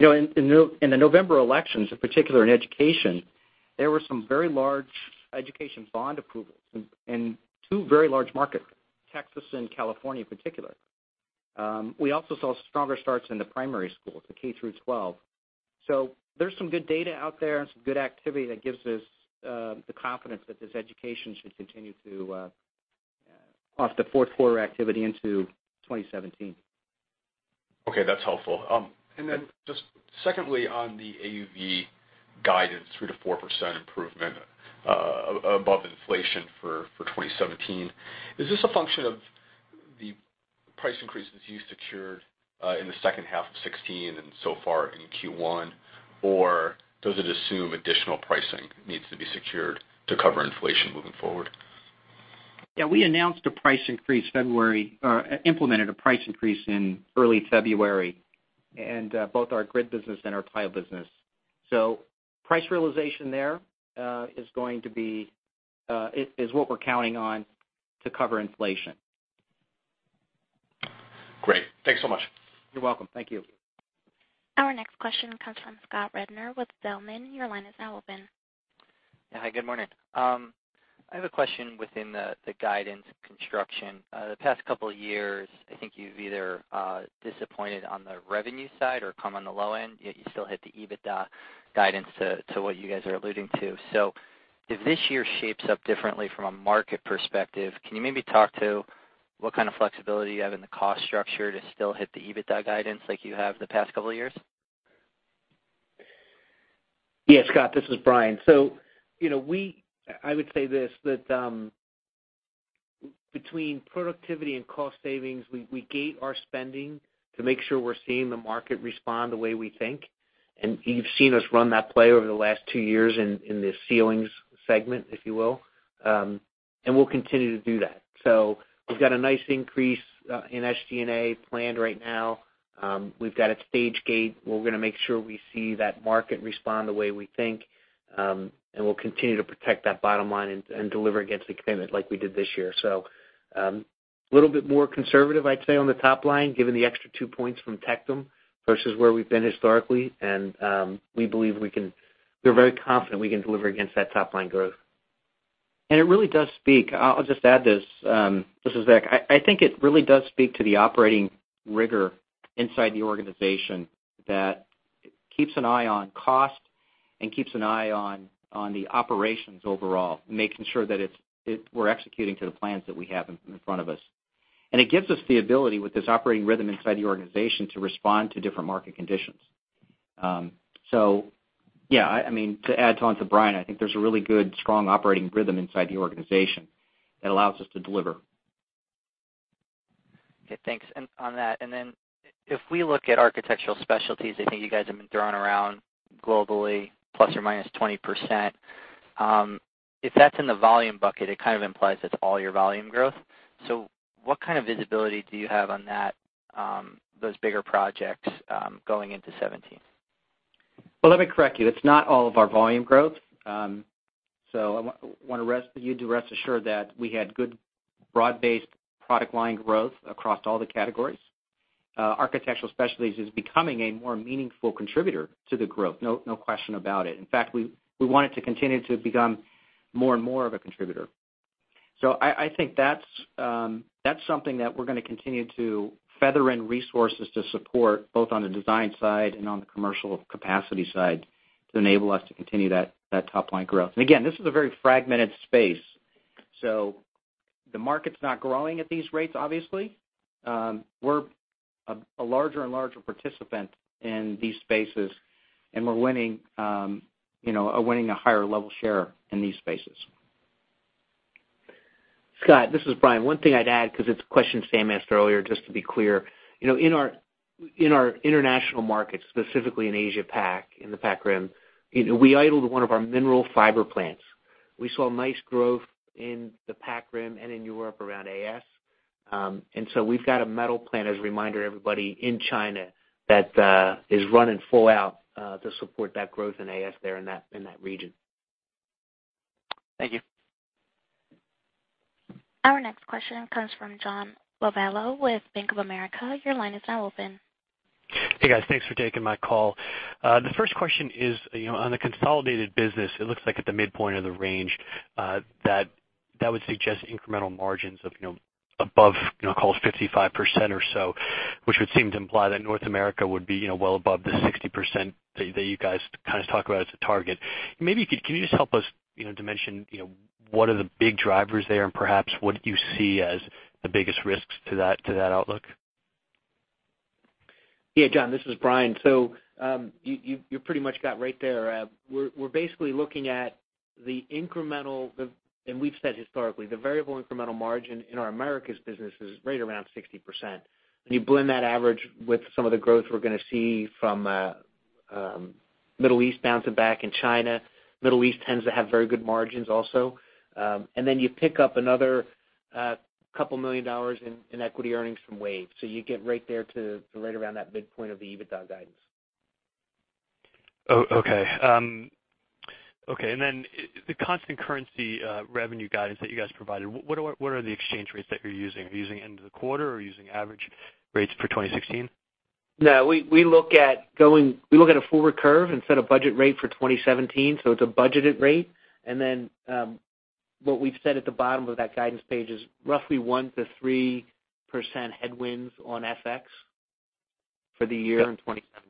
In the November elections, in particular in education, there were some very large education bond approvals in two very large markets, Texas and California in particular. We also saw stronger starts in the primary schools, the K through 12. There's some good data out there and some good activity that gives us the confidence that this education should continue to cross the fourth quarter activity into 2017. Okay, that's helpful. Just secondly, on the AUV guidance, 3%-4% improvement above inflation for 2017, is this a function of the price increases you secured in the second half of 2016 and so far in Q1? Or does it assume additional pricing needs to be secured to cover inflation moving forward? Yeah, we announced a price increase implemented a price increase in early February in both our grid business and our tile business. Price realization there is what we're counting on to cover inflation. Great. Thanks so much. You're welcome. Thank you. Our next question comes from Scott Rednor with Zelman. Your line is now open. Hi, good morning. I have a question within the guidance construction. The past couple of years, I think you've either disappointed on the revenue side or come on the low end, yet you still hit the EBITDA guidance to what you guys are alluding to. If this year shapes up differently from a market perspective, can you maybe talk to what kind of flexibility you have in the cost structure to still hit the EBITDA guidance like you have the past couple of years? Yeah, Scott, this is Brian. I would say this, that between productivity and cost savings, we gate our spending to make sure we're seeing the market respond the way we think, and you've seen us run that play over the last two years in the ceilings segment, if you will, and we'll continue to do that. We've got a nice increase in SG&A planned right now. We've got a stage gate. We're going to make sure we see that market respond the way we think, and we'll continue to protect that bottom line and deliver against the commitment like we did this year. A little bit more conservative, I'd say, on the top line, given the extra two points from Tectum versus where we've been historically, and we're very confident we can deliver against that top-line growth. It really does speak. I'll just add this. This is Vic. I think it really does speak to the operating rigor inside the organization that keeps an eye on cost and keeps an eye on the operations overall, making sure that we're executing to the plans that we have in front of us. It gives us the ability with this operating rhythm inside the organization to respond to different market conditions. Yeah, to add on to Brian, I think there's a really good, strong operating rhythm inside the organization that allows us to deliver. Okay, thanks on that. If we look at Architectural Specialties, I think you guys have been throwing around globally plus or minus 20%. If that's in the volume bucket, it kind of implies it's all your volume growth. What kind of visibility do you have on those bigger projects going into 2017? Well, let me correct you. It's not all of our volume growth. I want you to rest assured that we had good broad-based product line growth across all the categories. Architectural Specialties is becoming a more meaningful contributor to the growth, no question about it. In fact, we want it to continue to become more and more of a contributor. I think that's something that we're going to continue to feather in resources to support, both on the design side and on the commercial capacity side, to enable us to continue that top-line growth. Again, this is a very fragmented space. The market's not growing at these rates, obviously. We're a larger and larger participant in these spaces, and we're winning a higher level share in these spaces. Scott, this is Brian. One thing I'd add, because it's a question Samuel asked earlier, just to be clear. In our international markets, specifically in Asia PAC, in the PAC Rim, we idled one of our mineral fiber plants. We saw nice growth in the PAC Rim and in Europe around AS. We've got a metal plant, as a reminder to everybody, in China that is running full out to support that growth in AS there in that region. Thank you. Our next question comes from John Lovallo with Bank of America. Your line is now open. Hey, guys. Thanks for taking my call. The first question is, on the consolidated business, it looks like at the midpoint of the range, that would suggest incremental margins of above, call it 55% or so, which would seem to imply that North America would be well above the 60% that you guys kind of talk about as a target. Maybe can you just help us dimension what are the big drivers there and perhaps what you see as the biggest risks to that outlook? Yeah, John, this is Brian. You pretty much got right there. We're basically looking at the incremental, and we've said historically, the variable incremental margin in our Americas business is right around 60%. When you blend that average with some of the growth we're going to see from Middle East bouncing back and China, Middle East tends to have very good margins also. You pick up another a couple million dollars in equity earnings from WAVE. You get right there to right around that midpoint of the EBITDA guidance. Okay. The constant currency revenue guidance that you guys provided, what are the exchange rates that you're using? Are you using end of the quarter or are you using average rates for 2016? No, we look at a forward curve and set a budget rate for 2017, so it's a budgeted rate. What we've said at the bottom of that guidance page is roughly 1%-3% headwinds on FX for the year in 2017.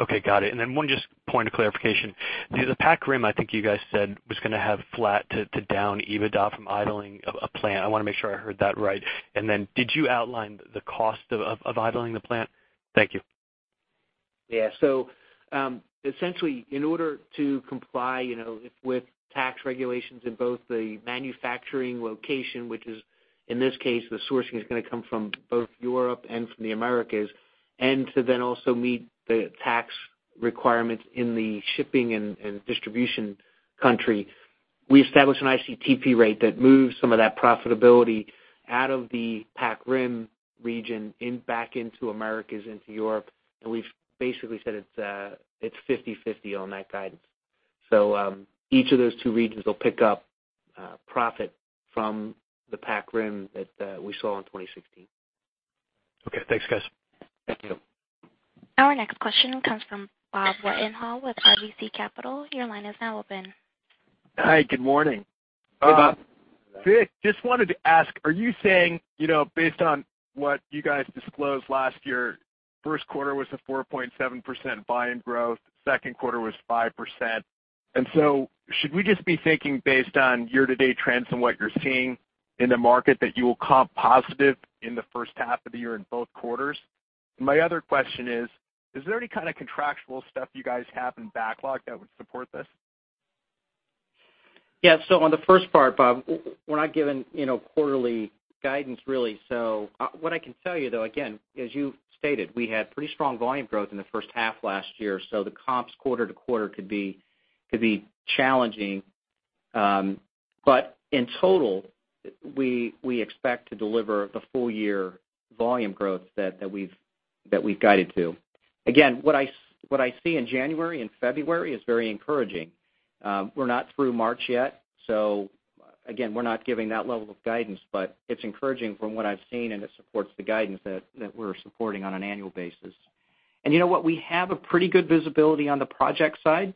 Okay, got it. One just point of clarification. The Pac Rim, I think you guys said, was going to have flat to down EBITDA from idling a plant. I want to make sure I heard that right. Did you outline the cost of idling the plant? Thank you. Yeah. Essentially, in order to comply with tax regulations in both the manufacturing location, which is, in this case, the sourcing is going to come from both Europe and from the Americas, and to then also meet the tax requirements in the shipping and distribution country. We established an ICTP rate that moves some of that profitability out of the Pac Rim region back into Americas, into Europe, and we've basically said it's 50/50 on that guidance. Each of those two regions will pick up profit from the Pac Rim that we saw in 2016. Okay, thanks, guys. Thank you. Our next question comes from Robert Wetenhall with RBC Capital Markets. Your line is now open. Hi, good morning. Hey, Bob. Vic, just wanted to ask, are you saying, based on what you guys disclosed last year, first quarter was a 4.7% volume growth, second quarter was 5%, and so should we just be thinking based on year-to-date trends and what you're seeing in the market, that you will comp positive in the first half of the year in both quarters? My other question is there any kind of contractual stuff you guys have in backlog that would support this? Yeah. On the first part, Bob, we're not giving quarterly guidance, really. What I can tell you, though, again, as you stated, we had pretty strong volume growth in the first half last year. The comps quarter to quarter could be challenging. In total, we expect to deliver the full year volume growth that we've guided to. Again, what I see in January and February is very encouraging. We're not through March yet, so again, we're not giving that level of guidance, but it's encouraging from what I've seen, and it supports the guidance that we're supporting on an annual basis. You know what? We have a pretty good visibility on the project side.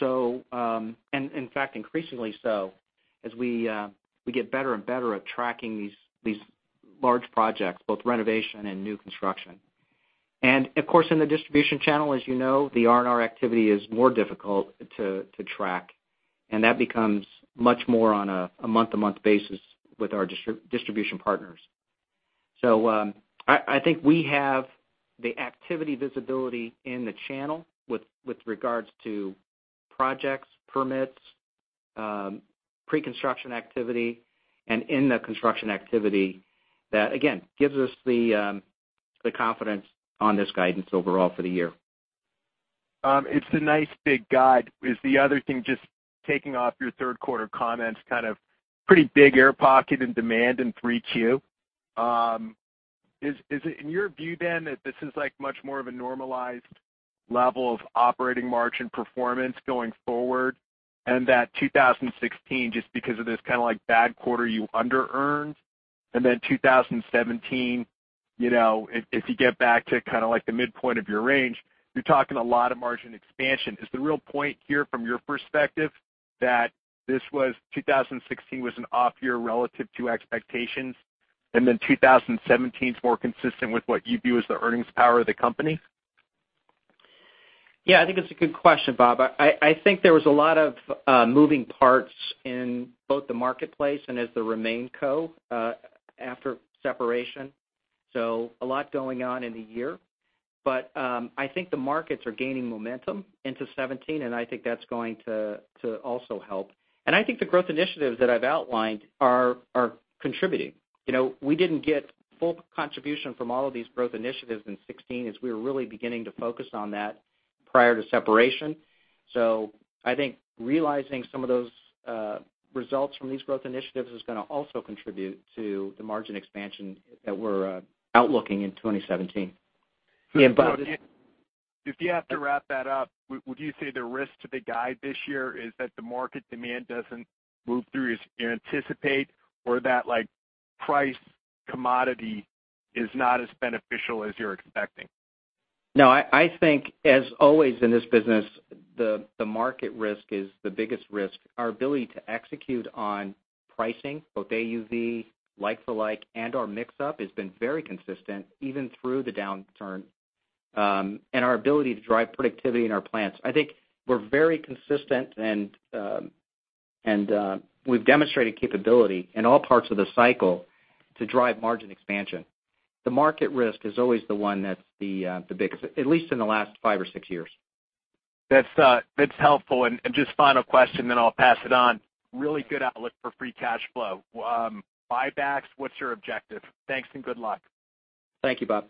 In fact, increasingly so, as we get better and better at tracking these large projects, both renovation and new construction. Of course, in the distribution channel, as you know, the R&R activity is more difficult to track, and that becomes much more on a month-to-month basis with our distribution partners. I think we have the activity visibility in the channel with regards to projects, permits, pre-construction activity, and in the construction activity that, again, gives us the confidence on this guidance overall for the year. It's a nice big guide. Is the other thing, just taking off your third quarter comments, kind of pretty big air pocket in demand in 3Q. Is it in your view then that this is much more of a normalized level of operating margin performance going forward, and that 2016, just because of this kind of bad quarter, you under-earned? Then 2017, if you get back to kind of the midpoint of your range, you're talking a lot of margin expansion. Is the real point here, from your perspective, that 2016 was an off year relative to expectations, and then 2017 is more consistent with what you view as the earnings power of the company? I think that's a good question, Bob. I think there was a lot of moving parts in both the marketplace and as the RemainCo after separation. A lot going on in the year. I think the markets are gaining momentum into 2017, and I think that's going to also help. I think the growth initiatives that I've outlined are contributing. We didn't get full contribution from all of these growth initiatives in 2016, as we were really beginning to focus on that prior to separation. I think realizing some of those results from these growth initiatives is going to also contribute to the margin expansion that we're outlooking in 2017. If you had to wrap that up, would you say the risk to the guide this year is that the market demand doesn't move through as you anticipate, or that price commodity is not as beneficial as you're expecting? I think, as always in this business, the market risk is the biggest risk. Our ability to execute on pricing, both AUV, like for like, and/or mix-up, has been very consistent even through the downturn, and our ability to drive productivity in our plants. I think we're very consistent and we've demonstrated capability in all parts of the cycle to drive margin expansion. The market risk is always the one that's the biggest, at least in the last five or six years. That's helpful. Just final question, then I'll pass it on. Really good outlook for free cash flow. Buybacks, what's your objective? Thanks and good luck. Thank you, Bob.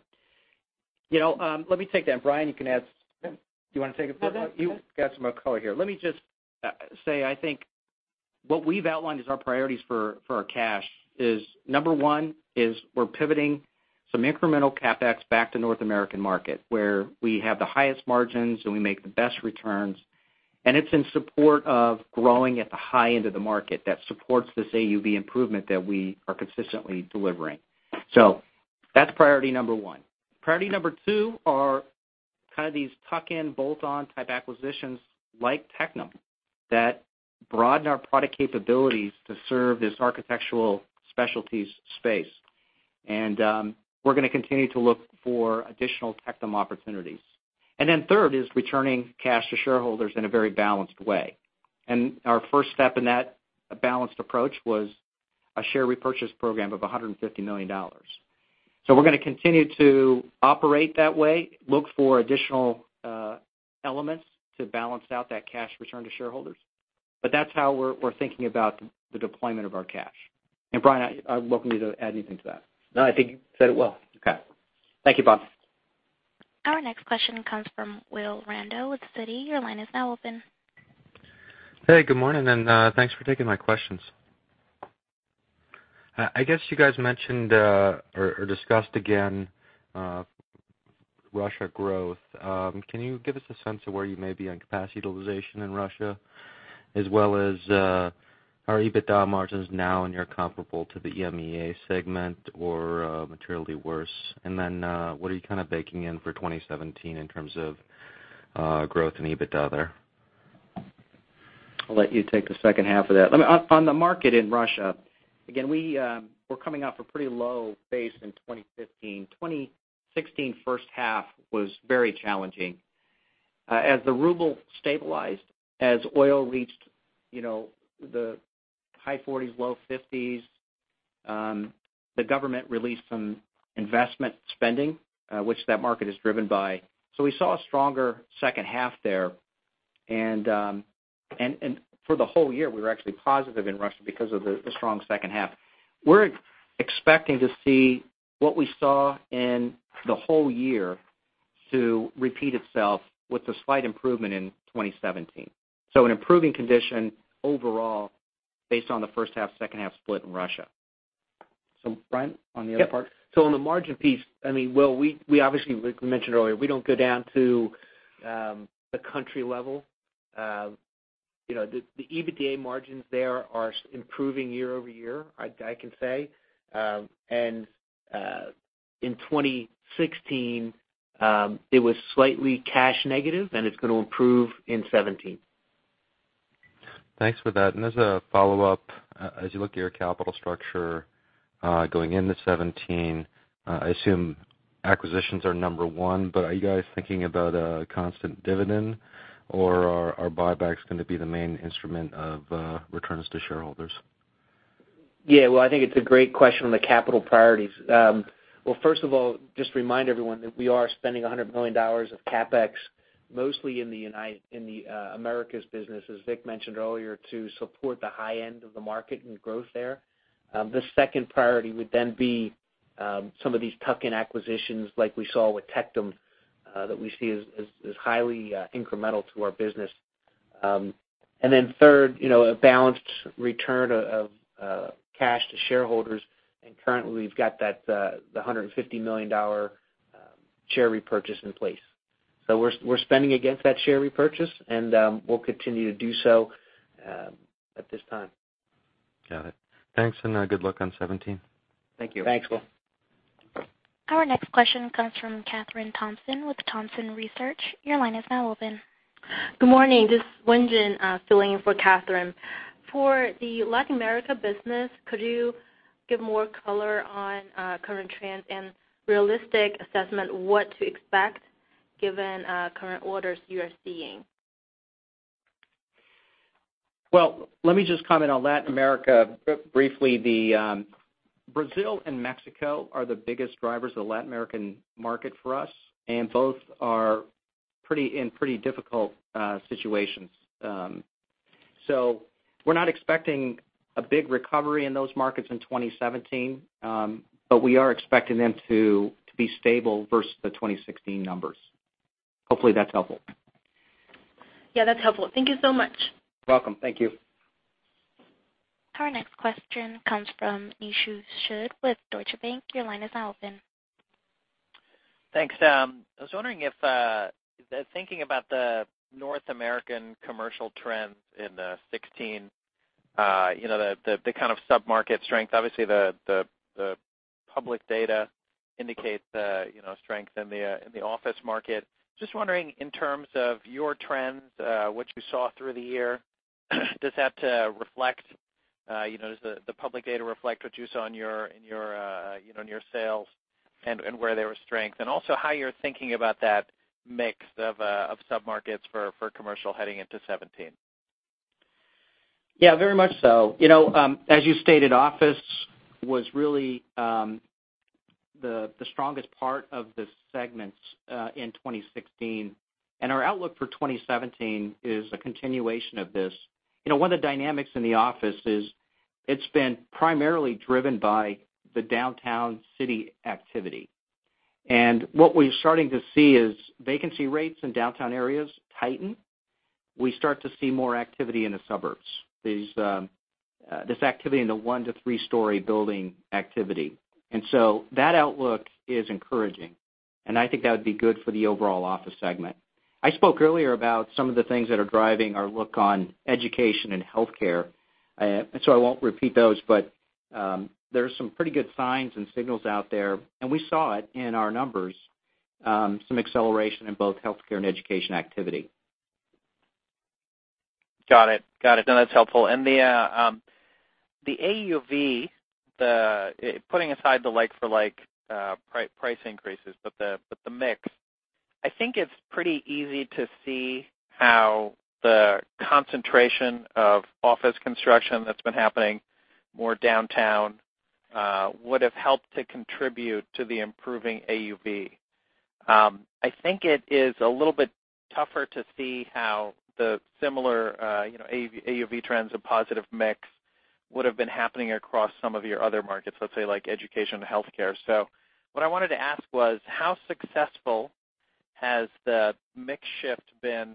Let me take that. Brian, you can add. Do you want to take a crack? No, go ahead. You got some more color here. Let me just say, I think what we've outlined as our priorities for our cash is, number 1 is we're pivoting some incremental CapEx back to North American market, where we have the highest margins, and we make the best returns, and it's in support of growing at the high end of the market that supports this AUV improvement that we are consistently delivering. That's priority number 1. Priority number 2 are kind of these tuck-in, bolt-on type acquisitions, like Tectum, that broaden our product capabilities to serve this Architectural Specialties space. We're going to continue to look for additional Tectum opportunities. Third is returning cash to shareholders in a very balanced way. Our first step in that balanced approach was a share repurchase program of $150 million. We're going to continue to operate that way, look for additional elements to balance out that cash return to shareholders. That's how we're thinking about the deployment of our cash. Brian, I welcome you to add anything to that. No, I think you said it well. Okay. Thank you, Bob. Our next question comes from Will Randow with Citi. Your line is now open. Hey, good morning, and thanks for taking my questions. I guess you guys mentioned or discussed again Russia growth. Can you give us a sense of where you may be on capacity utilization in Russia, as well as are EBITDA margins now near comparable to the EMEA segment or materially worse? What are you kind of baking in for 2017 in terms of growth and EBITDA there? I'll let you take the second half of that. On the market in Russia, again, we're coming off a pretty low base in 2015. 2016 first half was very challenging. As the ruble stabilized, as oil reached the high 40s, low 50s, the government released some investment spending, which that market is driven by. We saw a stronger second half there. For the whole year, we were actually positive in Russia because of the strong second half. We're expecting to see what we saw in the whole year to repeat itself with a slight improvement in 2017. An improving condition overall based on the first half, second half split in Russia. Brian, on the other part? On the margin piece, we obviously, like we mentioned earlier, we don't go down to the country level. The EBITDA margins there are improving year-over-year, I can say. In 2016, it was slightly cash negative, and it's going to improve in 2017. Thanks for that. As a follow-up, as you look to your capital structure going into 2017, I assume acquisitions are number 1, but are you guys thinking about a constant dividend, or are buybacks going to be the main instrument of returns to shareholders? Yeah, well, I think it's a great question on the capital priorities. Well, first of all, just remind everyone that we are spending $100 million of CapEx, mostly in the Americas business, as Vic mentioned earlier, to support the high end of the market and growth there. The second priority would then be some of these tuck-in acquisitions like we saw with Tectum that we see as highly incremental to our business. Then third, a balanced return of cash to shareholders, and currently we've got that $150 million share repurchase in place. We're spending against that share repurchase, and we'll continue to do so at this time. Got it. Thanks. Good luck on 2017. Thank you. Thanks, Will. Our next question comes from Kathryn Thompson with Thompson Research. Your line is now open. Good morning. This is Wenjin filling in for Kathryn. For the Latin America business, could you give more color on current trends and realistic assessment what to expect given current orders you are seeing? Well, let me just comment on Latin America briefly. Brazil and Mexico are the biggest drivers of the Latin American market for us. Both are in pretty difficult situations. We're not expecting a big recovery in those markets in 2017, but we are expecting them to be stable versus the 2016 numbers. Hopefully, that's helpful. Yeah, that's helpful. Thank you so much. You're welcome. Thank you. Our next question comes from Nishu Sood with Deutsche Bank. Your line is now open. Thanks. I was wondering if, thinking about the North American commercial trends in 2016, the kind of sub-market strength. Obviously, the public data indicate strength in the office market. Just wondering, in terms of your trends, what you saw through the year, does that reflect, does the public data reflect what you saw in your sales and where there was strength? Also how you're thinking about that mix of sub-markets for commercial heading into 2017. Yeah, very much so. As you stated, office was really the strongest part of the segments in 2016. Our outlook for 2017 is a continuation of this. One of the dynamics in the office is it's been primarily driven by the downtown city activity. What we're starting to see is vacancy rates in downtown areas tighten. We start to see more activity in the suburbs. This activity in the 1 to 3 story building activity. That outlook is encouraging, and I think that would be good for the overall office segment. I spoke earlier about some of the things that are driving our look on education and healthcare, I won't repeat those, but there's some pretty good signs and signals out there, We saw it in our numbers, some acceleration in both healthcare and education activity. Got it. No, that's helpful. The AUV, putting aside the like-for-like price increases, but the mix, I think it's pretty easy to see how the concentration of office construction that's been happening more downtown would have helped to contribute to the improving AUV. I think it is a little bit tougher to see how the similar AUV trends and positive mix would have been happening across some of your other markets, let's say, like education and healthcare. What I wanted to ask was, how successful has the mix shift been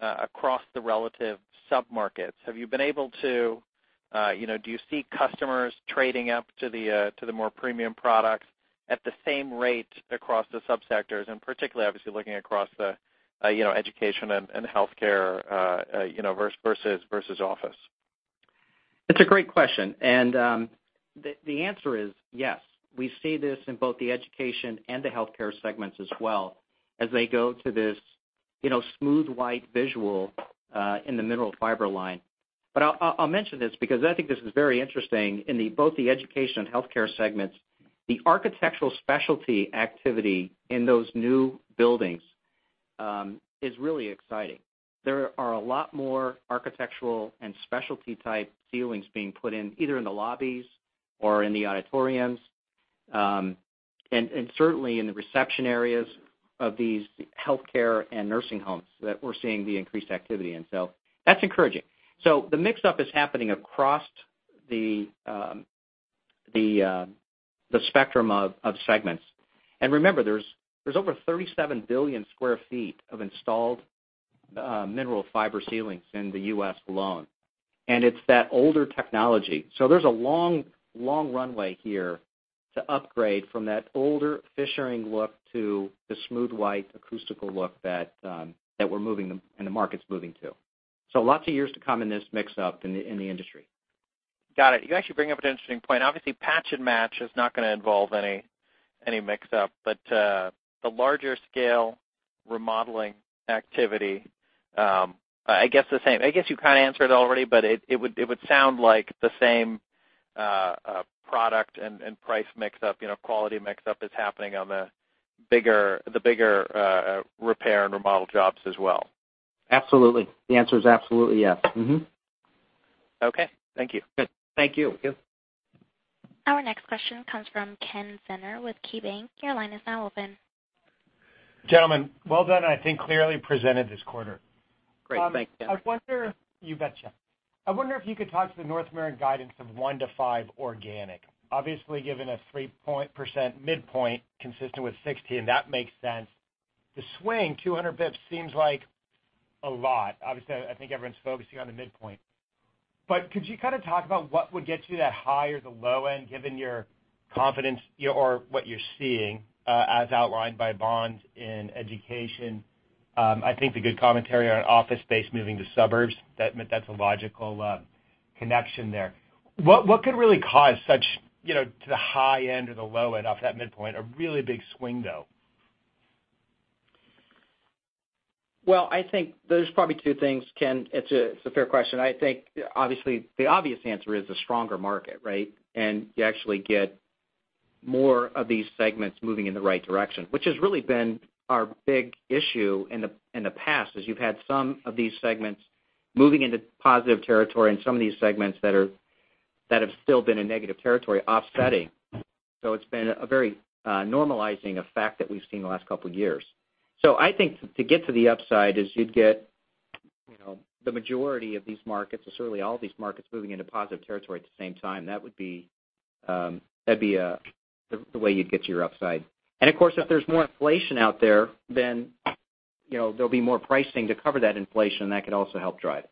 across the relative sub-markets? Do you see customers trading up to the more premium products at the same rate across the sub-sectors, and particularly obviously looking across the education and healthcare versus office? It's a great question. The answer is yes. We see this in both the education and the healthcare segments as well, as they go to this smooth white visual, in the mineral fiber line. I'll mention this because I think this is very interesting in both the education and healthcare segments, the Architectural Specialties activity in those new buildings is really exciting. There are a lot more architectural and specialty type ceilings being put in, either in the lobbies or in the auditoriums, and certainly in the reception areas of these healthcare and nursing homes that we're seeing the increased activity in. That's encouraging. The mix-up is happening across the spectrum of segments. Remember, there's over 37 billion square feet of installed mineral fiber ceilings in the U.S. alone. It's that older technology. There's a long runway here to upgrade from that older fissuring look to the smooth white acoustical look that we're moving them and the market's moving to. Lots of years to come in this mix-up in the industry. Got it. You actually bring up an interesting point. Obviously patch and match is not going to involve any mix-up, but the larger scale remodeling activity, I guess you kind of answered already, but it would sound like the same product and price mix-up, quality mix-up is happening on the bigger repair and remodel jobs as well. Absolutely. The answer is absolutely, yes. Mm-hmm. Okay. Thank you. Good. Thank you. Our next question comes from Kenneth Zener with KeyBanc. Your line is now open. Gentlemen, well done. I think clearly presented this quarter. Great. Thanks, Ken. You betcha. I wonder if you could talk to the North American guidance of 1%-5% organic. Obviously, given a 3% midpoint consistent with 60, that makes sense. The swing 200 basis points seems like a lot. Obviously, I think everyone's focusing on the midpoint. Could you kind of talk about what would get you that high or the low end given your confidence or what you're seeing, as outlined by bonds in education? I think the good commentary on office space moving to suburbs, that's a logical connection there. What could really cause such, to the high end or the low end off that midpoint, a really big swing, though? I think there's probably two things, Ken. It's a fair question. I think obviously the obvious answer is the stronger market, right? You actually get more of these segments moving in the right direction, which has really been our big issue in the past, is you've had some of these segments moving into positive territory and some of these segments that have still been in negative territory offsetting. It's been a very normalizing effect that we've seen the last couple of years. I think to get to the upside is you'd get the majority of these markets, or certainly all of these markets, moving into positive territory at the same time. That'd be the way you'd get to your upside. Of course, if there's more inflation out there, then there'll be more pricing to cover that inflation, and that could also help drive it.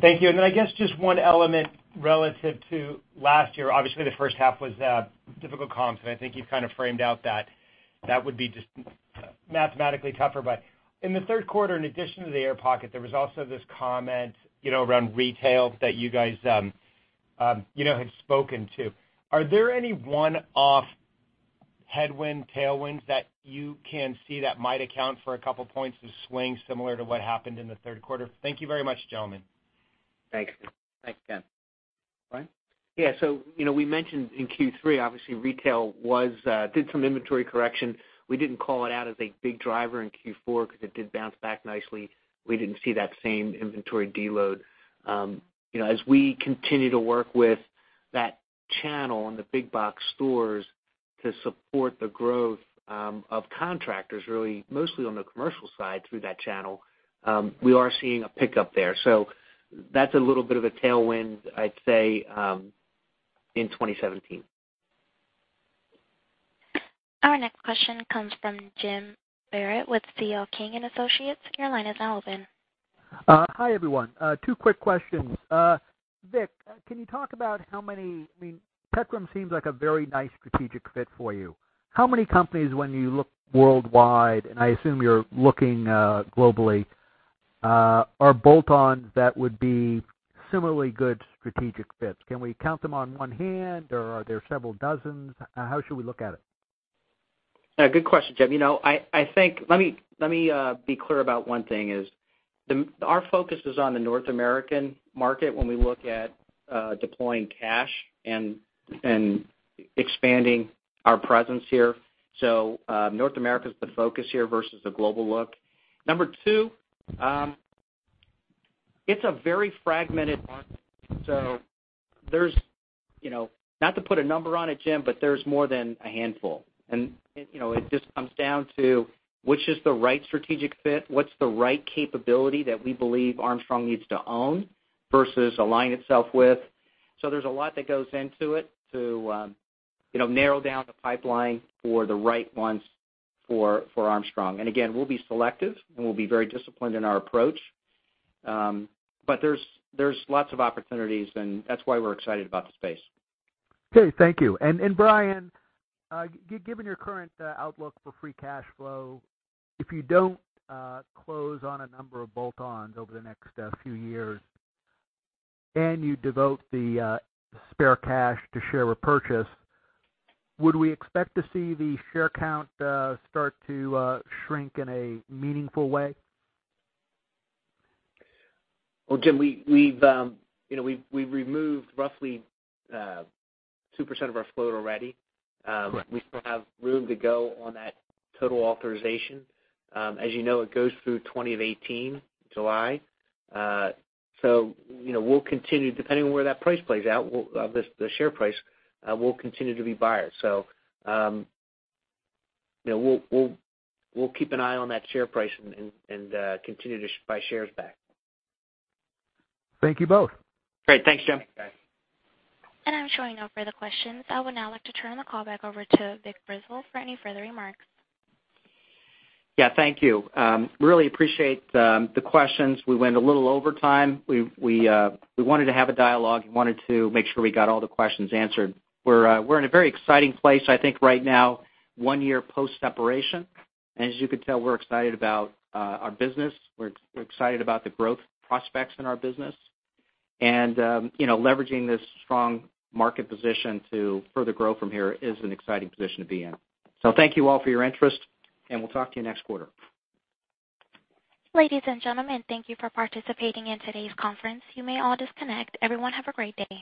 Thank you. Then I guess just one element relative to last year. Obviously, the first half was difficult comps, and I think you kind of framed out that would be just mathematically tougher. In the third quarter, in addition to the air pocket, there was also this comment around retail that you guys had spoken to. Are there any one-off headwind, tailwinds that you can see that might account for a couple points of swing similar to what happened in the third quarter? Thank you very much, gentlemen. Thanks. Thanks, Ken. Brian? Yeah, we mentioned in Q3, obviously retail did some inventory correction. We didn't call it out as a big driver in Q4 because it did bounce back nicely. We didn't see that same inventory deload. As we continue to work with that channel and the big box stores to support the growth of contractors, really mostly on the commercial side through that channel, we are seeing a pickup there. That's a little bit of a tailwind, I'd say, in 2017. Our next question comes from James Barrett with C.L. King & Associates. Your line is open. Hi, everyone. Two quick questions. Vic, can you talk about how many Tectum seems like a very nice strategic fit for you. How many companies when you look worldwide, and I assume you're looking globally, are bolt-ons that would be similarly good strategic fits? Can we count them on one hand, or are there several dozens? How should we look at it? Good question, Jim. Let me be clear about one thing is our focus is on the North American market when we look at deploying cash and expanding our presence here. North America is the focus here versus the global look. Number two, it's a very fragmented market, not to put a number on it, Jim, but there's more than a handful. It just comes down to which is the right strategic fit, what's the right capability that we believe Armstrong needs to own versus align itself with. There's a lot that goes into it to narrow down the pipeline for the right ones for Armstrong. Again, we'll be selective, and we'll be very disciplined in our approach. There's lots of opportunities, and that's why we're excited about the space. Okay. Thank you. Brian, given your current outlook for free cash flow, if you don't close on a number of bolt-ons over the next few years, and you devote the spare cash to share repurchase, would we expect to see the share count start to shrink in a meaningful way? Well, Jim, we've removed roughly 2% of our float already. Right. We still have room to go on that total authorization. As you know, it goes through 2018, July. We'll continue, depending on where that price plays out, the share price, we'll continue to be buyers. We'll keep an eye on that share price and continue to buy shares back. Thank you both. Great. Thanks, Jim. I'm showing no further questions. I would now like to turn the call back over to Vic Grizzle for any further remarks. Yeah, thank you. Really appreciate the questions. We went a little overtime. We wanted to have a dialogue and wanted to make sure we got all the questions answered. We're in a very exciting place, I think, right now, one year post-separation. As you can tell, we're excited about our business. We're excited about the growth prospects in our business. Leveraging this strong market position to further grow from here is an exciting position to be in. Thank you all for your interest, and we'll talk to you next quarter. Ladies and gentlemen, thank you for participating in today's conference. You may all disconnect. Everyone have a great day.